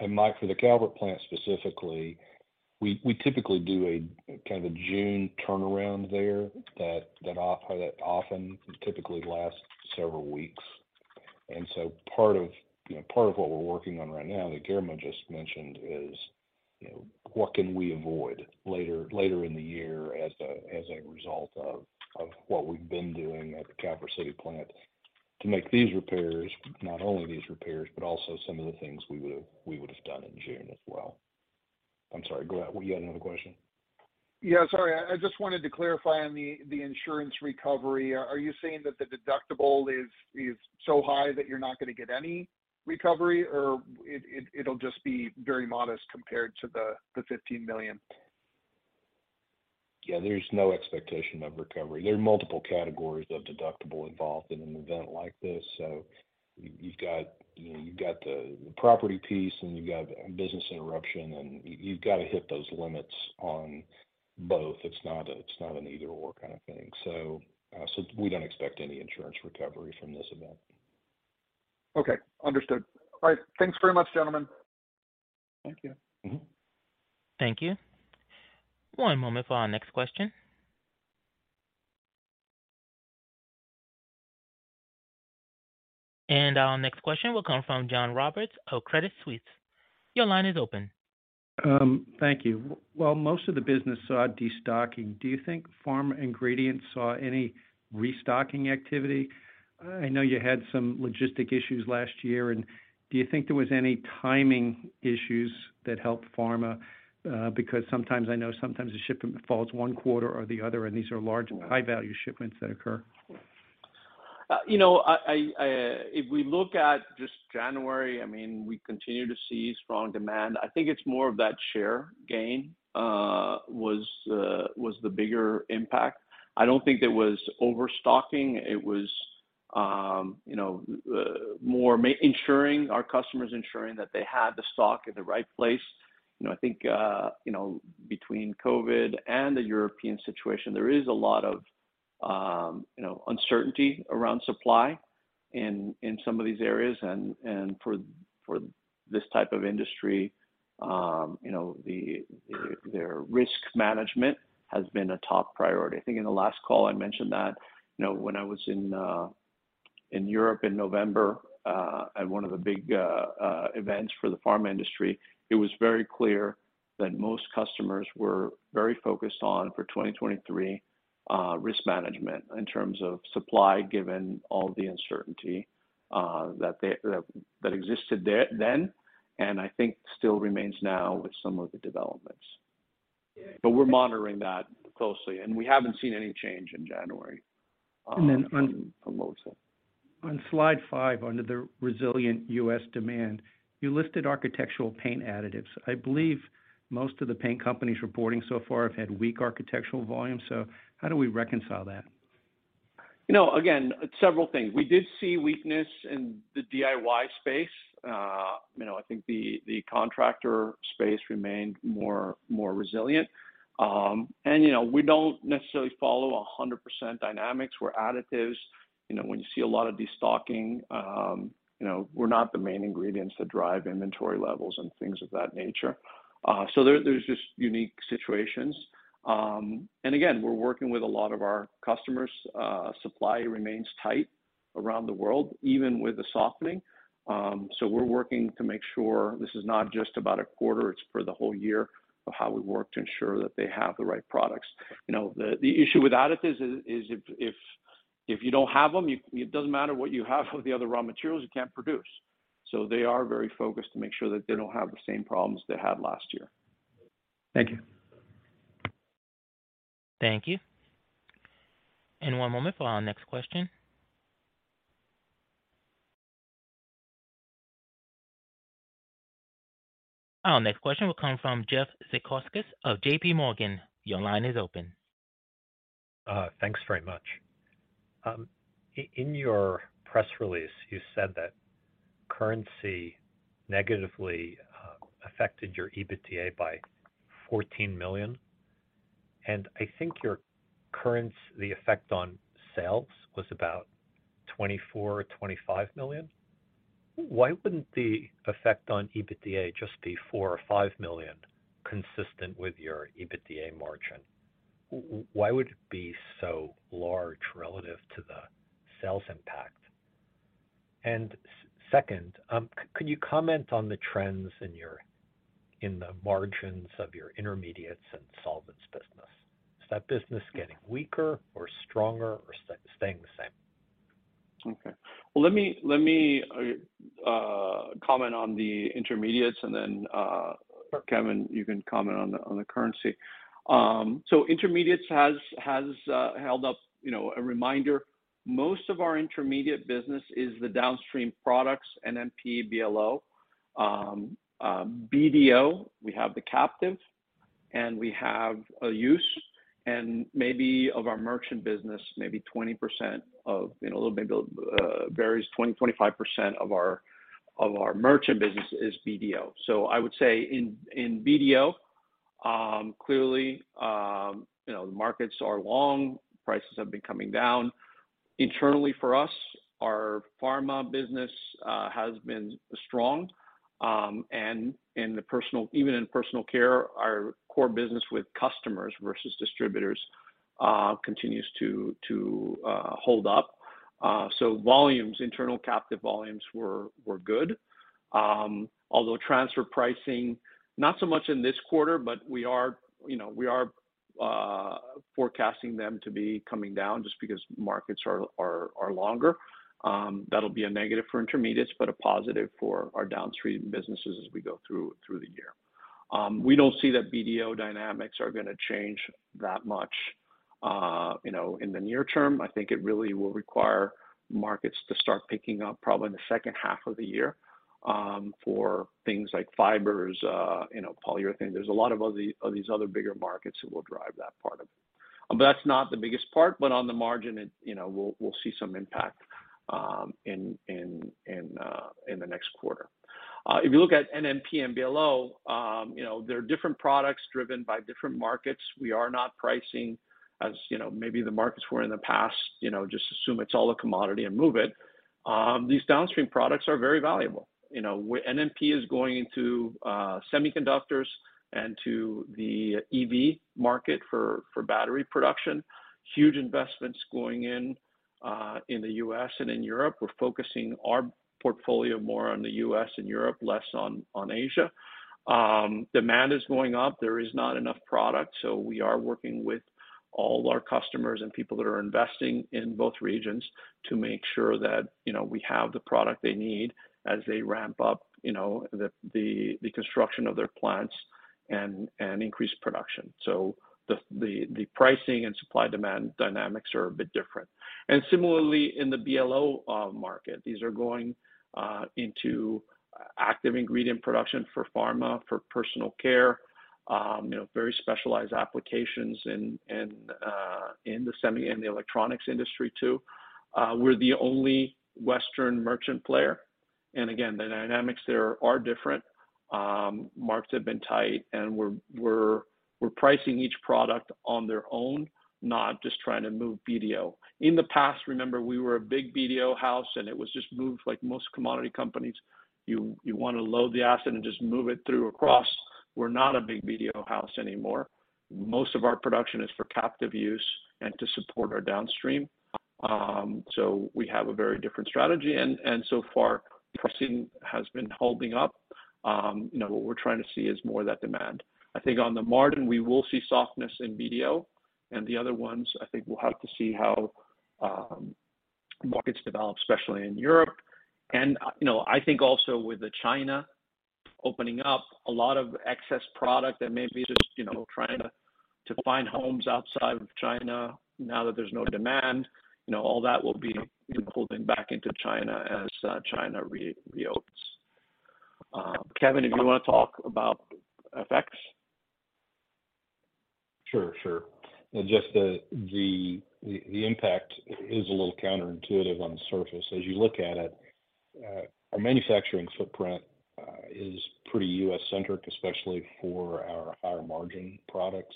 and Mike, for the Calvert plant specifically, we typically do a kind of a June turnaround there that often typically lasts several weeks. So part of, you know, part of what we're working on right now that Guillermo just mentioned is, you know, what can we avoid later in the year as a result of what we've been doing at the Calvert City plant to make these repairs. Not only these repairs, but also some of the things we would've done in June as well. I'm sorry, go ahead. You had another question? Yeah, sorry. I just wanted to clarify on the insurance recovery. Are you saying that the deductible is so high that you're not gonna get any recovery, or it'll just be very modest compared to the $15 million? Yeah, there's no expectation of recovery. There are multiple categories of deductible involved in an event like this. You've got, you know, you've got the property piece, and you've got business interruption, and you've got to hit those limits on both. It's not an either/or kind of thing. We don't expect any insurance recovery from this event. Okay, understood. All right. Thanks very much, gentlemen. Thank you. Mm-hmm. Thank you. One moment for our next question. Our next question will come from John Roberts of Credit Suisse. Your line is open. Thank you. While most of the business saw destocking, do you think pharma ingredients saw any restocking activity? I know you had some logistics issues last year. Do you think there was any timing issues that helped pharma? because sometimes, I know sometimes the shipment falls one quarter or the other, and these are large high-value shipments that occur. You know, if we look at just January, I mean, we continue to see strong demand. I think it's more of that share gain was the bigger impact. I don't think there was overstocking. It was, you know, more ensuring our customers, ensuring that they had the stock in the right place. You know, I think, you know, between COVID and the European situation, there is a lot of, you know, uncertainty around supply in some of these areas. For this type of industry, you know, their risk management has been a top priority. I think in the last call I mentioned that. You know, when I was in Europe in November, at one of the big events for the pharma industry, it was very clear that most customers were very focused on, for 2023, risk management in terms of supply, given all the uncertainty that existed there then, and I think still remains now with some of the developments. We're monitoring that closely, and we haven't seen any change in January. And then on- On most of it. On slide five, under the resilient U.S. demand, you listed architectural paint additives. I believe most of the paint companies reporting so far have had weak architectural volume. How do we reconcile that? You know, again, several things. We did see weakness in the DIY space. You know, I think the contractor space remained more resilient. You know, we don't necessarily follow 100% dynamics. We're additives. You know, when you see a lot of destocking, you know, we're not the main ingredients that drive inventory levels and things of that nature. There, there's just unique situations. Again, we're working with a lot of our customers. Supply remains tight around the world, even with the softening. We're working to make sure this is not just about a quarter, it's for the whole year of how we work to ensure that they have the right products. You know, the issue with additives is if you don't have them, it doesn't matter what you have with the other raw materials, you can't produce. They are very focused to make sure that they don't have the same problems they had last year. Thank you. Thank you. One moment for our next question. Our next question will come from Jeff Zekauskas of JPMorgan. Your line is open. Thanks very much. In your press release, you said that currency negatively affected your EBITDA by $14 million. I think your currency effect on sales was about $24 million-$25 million. Why wouldn't the effect on EBITDA just be $4 million-$5 million consistent with your EBITDA margin? Why would it be so large relative to the sales impact? Second, could you comment on the trends in your, in the margins of your Intermediates and solvents business. Is that business getting weaker or stronger or staying the same? Okay. Well, let me comment on the Intermediates. Sure. Kevin, you can comment on the currency. Intermediates has held up. You know, a reminder, most of our Intermediates business is the downstream products NMP, BLO. BDO, we have the captive, and we have a use and maybe of our merchant business, maybe 20% of, you know, a little bit of, varies 20%-25% of our merchant business is BDO. I would say in BDO, clearly, you know, the markets are long, prices have been coming down. Internally for us, our pharma business has been strong, and even in Personal Care, our core business with customers versus distributors continues to hold up. Volumes, internal captive volumes were good. Although transfer pricing, not so much in this quarter, but we are, you know, we are forecasting them to be coming down just because markets are longer. That'll be a negative for Intermediates, but a positive for our downstream businesses as we go through the year. We don't see that BDO dynamics are gonna change that much, you know, in the near term. I think it really will require markets to start picking up probably in the second half of the year, for things like fibers, you know, polyurethane. There's a lot of these other bigger markets that will drive that part of it. That's not the biggest part, but on the margin it, you know, we'll see some impact in the next quarter. If you look at NMP and BLO, you know, they're different products driven by different markets. We are not pricing as, you know, maybe the markets were in the past, you know, just assume it's all a commodity and move it. These downstream products are very valuable. You know, NMP is going into semiconductors and to the EV market for battery production. Huge investments going in in the US and in Europe. We're focusing our portfolio more on the U.S. and Europe, less on Asia. Demand is going up. There is not enough product, so we are working with all our customers and people that are investing in both regions to make sure that, you know, we have the product they need as they ramp up, you know, the construction of their plants and increase production. The pricing and supply demand dynamics are a bit different. Similarly, in the BLO market, these are going into active ingredient production for pharma, for Personal Care, you know, very specialized applications in the semi and the electronics industry too. We're the only Western merchant player. Again, the dynamics there are different. Markets have been tight, and we're pricing each product on their own, not just trying to move BDO. In the past, remember, we were a big BDO house, and it was just moved like most commodity companies. You wanna load the asset and just move it through across. We're not a big BDO house anymore. Most of our production is for captive use and to support our downstream. We have a very different strategy, and so far, pricing has been holding up. You know, what we're trying to see is more of that demand. I think on the margin, we will see softness in BDO and the other ones. I think we'll have to see how markets develop, especially in Europe. You know, I think also with the China opening up a lot of excess product that may be just, you know, trying to find homes outside of China now that there's no demand. You know, all that will be pulled in back into China as China reopens. Kevin, if you wanna talk about FX. Sure. Just the impact is a little counterintuitive on the surface. As you look at it, our manufacturing footprint is pretty U.S.-centric, especially for our higher margin products.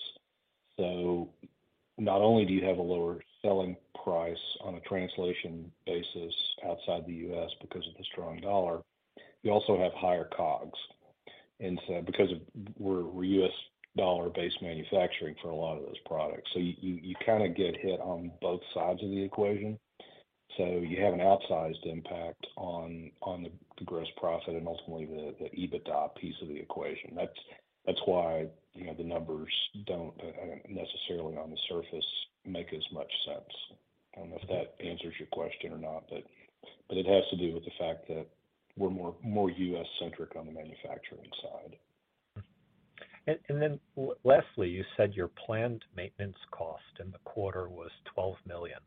Not only do you have a lower selling price on a translation basis outside the U.S. because of the strong dollar, you also have higher COGS because of we're U.S. dollar-based manufacturing for a lot of those products. You kinda get hit on both sides of the equation. You have an outsized impact on the gross profit and ultimately the EBITDA piece of the equation. That's why, you know, the numbers don't necessarily on the surface make as much sense. I don't know if that answers your question or not, but it has to do with the fact that we're more U.S.-centric on the manufacturing side. Lastly, you said your planned maintenance cost in the quarter was $12 million.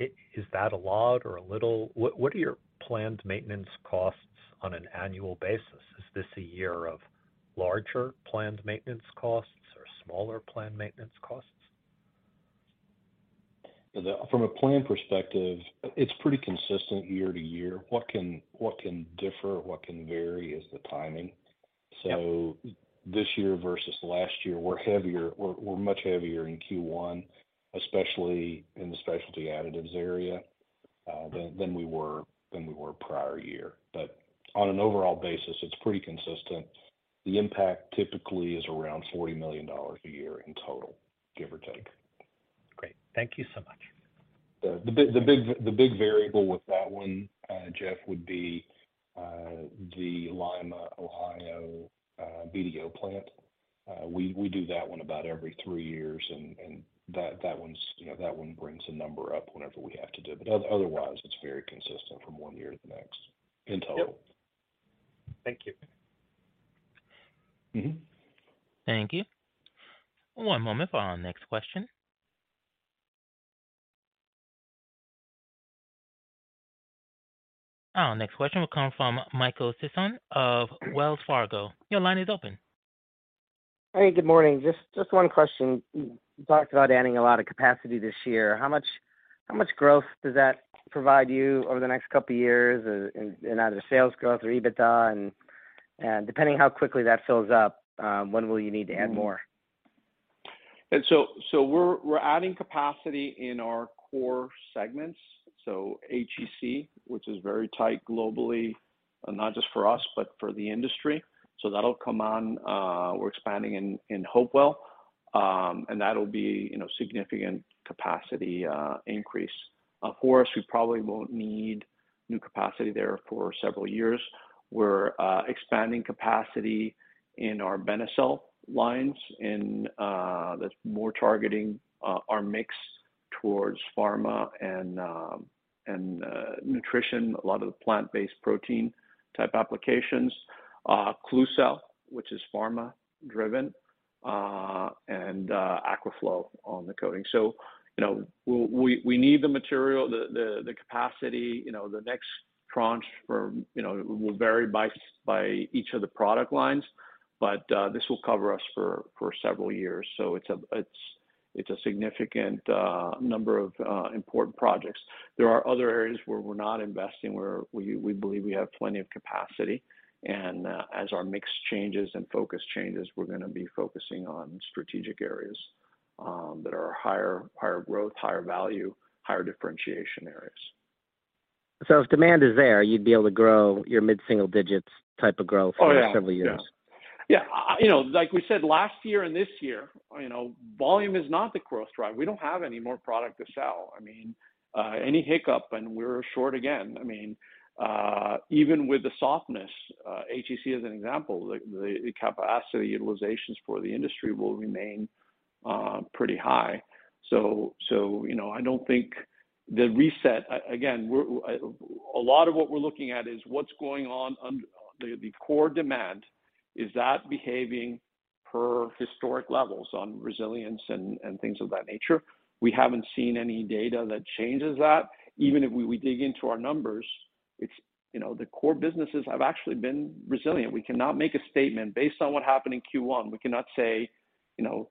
Is that a lot or a little? What are your planned maintenance costs on an annual basis? Is this a year of larger planned maintenance costs or smaller planned maintenance costs? From a plan perspective, it's pretty consistent year to year. What can differ, what can vary is the timing. Yep. This year versus last year, we're heavier. We're much heavier in Q1, especially in the Specialty Additives area than we were prior year. On an overall basis, it's pretty consistent. The impact typically is around $40 million a year in total, give or take. Great. Thank you so much. The big variable with that one, Jeff, would be the Lima, Ohio, BDO plant. We do that one about every three years, and that one's. You know, that one brings a number up whenever we have to do it. Otherwise, it's very consistent from one year to the next in total. Yep. Thank you. Mm-hmm. Thank you. One moment for our next question. Our next question will come from Michael Sison of Wells Fargo. Your line is open. Hey, good morning. Just one question. You talked about adding a lot of capacity this year. How much growth does that provide you over the next couple years in either sales growth or EBITDA? Depending on how quickly that fills up, when will you need to add more? We're adding capacity in our core segments, so HEC, which is very tight globally, and not just for us, but for the industry. That'll come on, we're expanding in Hopewell, and that'll be, you know, significant capacity increase. Of course, we probably won't need new capacity there for several years. We're expanding capacity in our Benecel lines and that's more targeting our mix towards pharma and and nutrition, a lot of the plant-based protein type applications. Klucel, which is pharma-driven, and Aquaflow on the coating. You know, we'll need the material, the capacity, you know, the next tranche for, you know, will vary by each of the product lines. This will cover us for several years. It's a significant number of important projects. There are other areas where we're not investing, where we believe we have plenty of capacity. As our mix changes and focus changes, we're gonna be focusing on strategic areas that are higher growth, higher value, higher differentiation areas. If demand is there, you'd be able to grow your mid-single digits type of growth. Oh, yeah. for the next several years? Yeah. You know, like we said last year and this year, you know, volume is not the growth drive. We don't have any more product to sell. I mean, any hiccup and we're short again. I mean, even with the softness, HEC as an example, the capacity utilizations for the industry will remain pretty high. You know, I don't think the reset... Again, we're... A lot of what we're looking at is what's going on under the core demand. Is that behaving per historic levels on resilience and things of that nature? We haven't seen any data that changes that. Even if we dig into our numbers, it's... You know, the core businesses have actually been resilient. We cannot make a statement based on what happened in Q1. We cannot say, you know,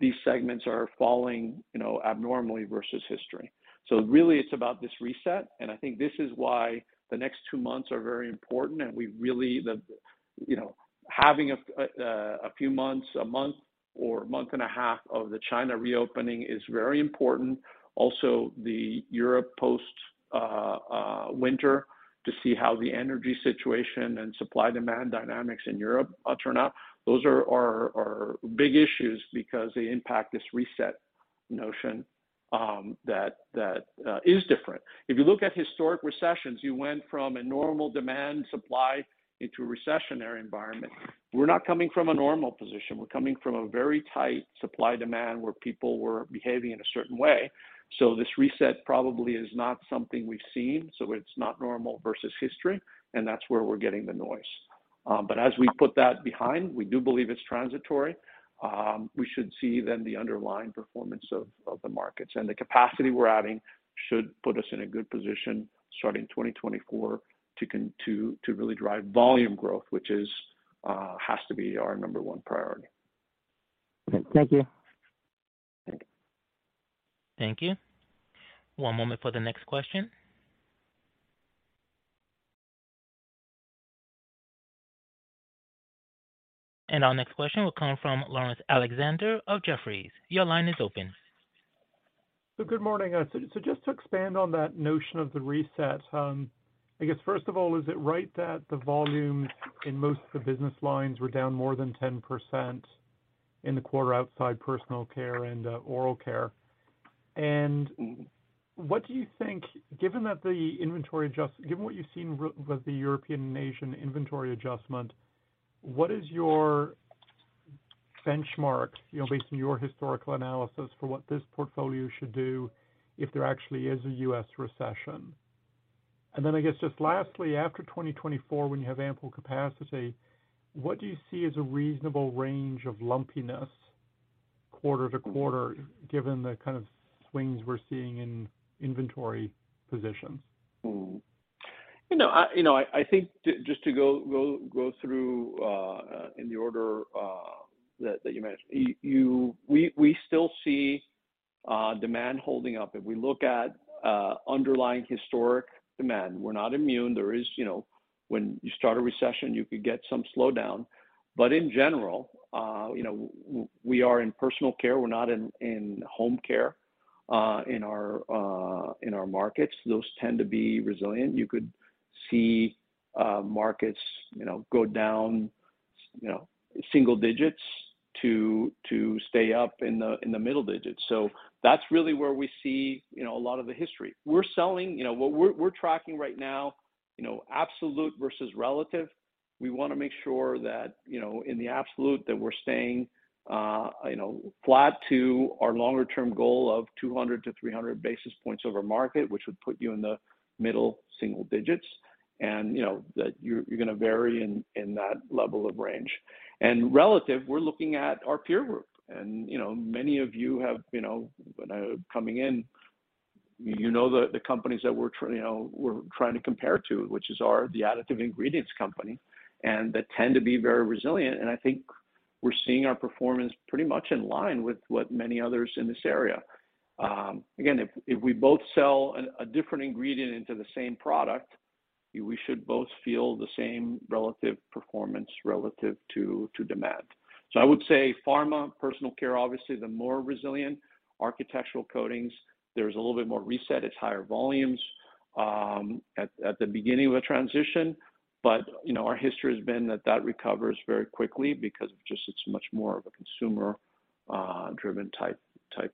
these segments are falling, you know, abnormally versus history. So really, it's about this reset, and I think this is why the next two months are very important, and we really, you know, having a few months, a month or month and a half of the China reopening is very important. Also, the Europe post winter to see how the energy situation and supply-demand dynamics in Europe turn out. Those are big issues because they impact this reset notion that is different. If you look at historic recessions, you went from a normal demand supply into a recessionary environment. We're not coming from a normal position. We're coming from a very tight supply-demand, where people were behaving in a certain way. This reset probably is not something we've seen, so it's not normal versus history, and that's where we're getting the noise. As we put that behind, we do believe it's transitory. We should see then the underlying performance of the markets. The capacity we're adding should put us in a good position starting 2024 to really drive volume growth, which is, has to be our number one priority. Okay. Thank you. Thank you. Thank you. One moment for the next question. Our next question will come from Laurence Alexander of Jefferies. Your line is open. Good morning. So just to expand on that notion of the reset, I guess, first of all, is it right that the volumes in most of the business lines were down more than 10% in the quarter outside Personal Care and oral care? What do you think? Given that the inventory Given what you've seen with the European nation inventory adjustment, what is your benchmark, you know, based on your historical analysis for what this portfolio should do if there actually is a U.S. recession? I guess just lastly, after 2024, when you have ample capacity, what do you see as a reasonable range of lumpiness quarter to quarter, given the kind of swings we're seeing in inventory positions? You know, I think just to go through in the order that you mentioned. We still see demand holding up. If we look at underlying historic demand, we're not immune. When you start a recession, you could get some slowdown. In general, you know, we are in Personal Care. We're not in home care in our markets. Those tend to be resilient. You could see markets, you know, go down, you know, single digits to stay up in the middle digits. That's really where we see, you know, a lot of the history. You know what we're tracking right now, you know, absolute versus relative. We wanna make sure that, you know, in the absolute that we're staying, you know, flat to our longer-term goal of 200-300 basis points over market, which would put you in the middle single digits. You know, that you're gonna vary in that level of range. Relative, we're looking at our peer group. You know, many of you have, you know, when coming in, you know the companies that we're trying to compare to, which is the additive ingredients company, and that tend to be very resilient. I think we're seeing our performance pretty much in line with what many others in this area. If we both sell a different ingredient into the same product, we should both feel the same relative performance relative to demand. I would say pharma, Personal Care, obviously, the more resilient architectural coatings. There's a little bit more reset. It's higher volumes at the beginning of a transition. You know, our history has been that that recovers very quickly because it just it's much more of a consumer driven type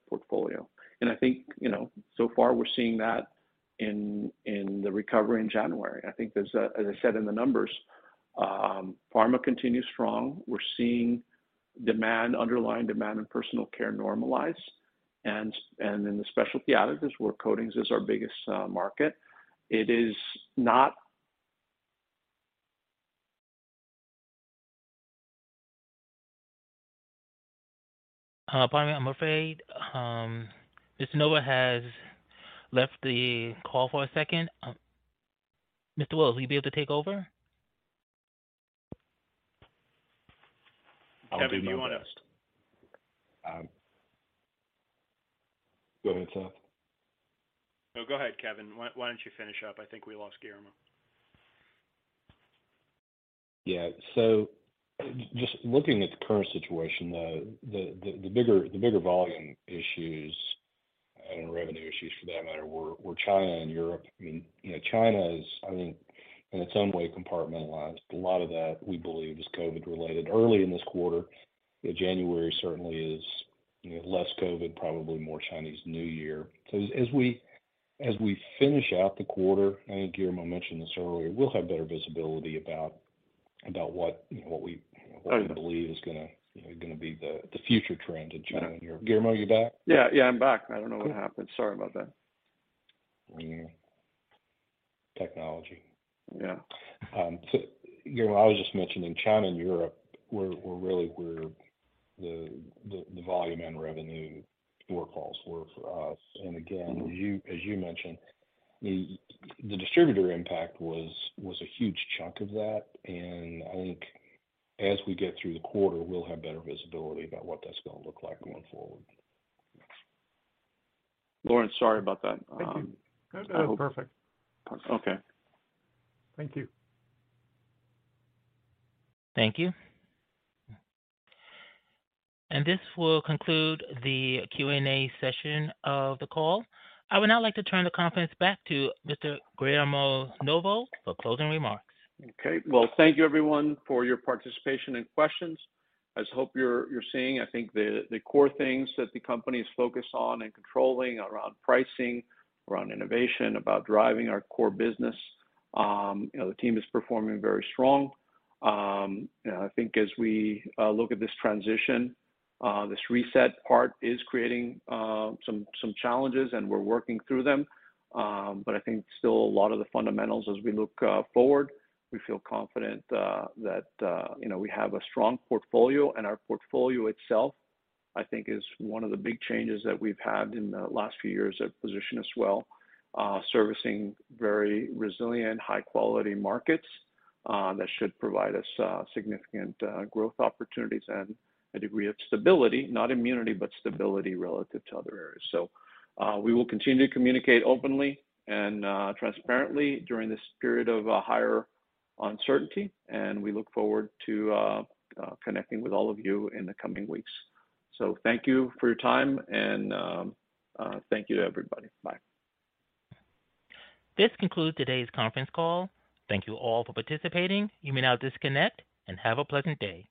portfolio. I think, you know, so far we're seeing that in the recovery in January. As I said in the numbers, pharma continues strong. We're seeing underlying demand in Personal Care normalize. In the Specialty Additives where coatings is our biggest market, it is not. Pardon me. I'm afraid Mr. Novo has left the call for a second. Mr. Willis, will you be able to take over? I'll do my best. Kevin, do you want to? Go ahead, Seth. Go ahead, Kevin. Why don't you finish up? I think we lost Guillermo. Just looking at the current situation, though, the bigger volume issues and revenue issues for that matter were China and Europe. I mean, you know, China is, I think, in its own way, compartmentalized. A lot of that, we believe is COVID related. Early in this quarter, you know, January certainly is, you know, less COVID, probably more Chinese New Year. As we finish out the quarter, I think Guillermo mentioned this earlier, we'll have better visibility about what, you know, what we. I- -what we believe is gonna, you know, gonna be the future trend in China and Europe. Guillermo, you back? Yeah. Yeah, I'm back. I don't know what happened. Sorry about that. Technology. Yeah. Guillermo, I was just mentioning China and Europe were really where the volume and revenue shortfalls were for us. Again, as you mentioned, the distributor impact was a huge chunk of that. I think as we get through the quarter, we'll have better visibility about what that's gonna look like going forward. Laurence, sorry about that. Thank you. No, no, perfect. Okay. Thank you. Thank you. This will conclude the Q&A session of the call. I would now like to turn the conference back to Mr. Guillermo Novo for closing remarks. Okay. Well, thank you everyone for your participation and questions. I just hope you're seeing, I think the core things that the company is focused on and controlling around pricing, around innovation, about driving our core business. You know, the team is performing very strong. You know, I think as we look at this transition, this reset part is creating some challenges, and we're working through them. But I think still a lot of the fundamentals as we look forward, we feel confident that, you know, we have a strong portfolio. Our portfolio itself, I think, is one of the big changes that we've had in the last few years of position as well, servicing very resilient, high quality markets, that should provide us, significant, growth opportunities and a degree of stability, not immunity, but stability relative to other areas. We will continue to communicate openly and transparently during this period of higher uncertainty, and we look forward to connecting with all of you in the coming weeks. Thank you for your time and, thank you to everybody. Bye. This concludes today's conference call. Thank you all for participating. You may now disconnect and have a pleasant day.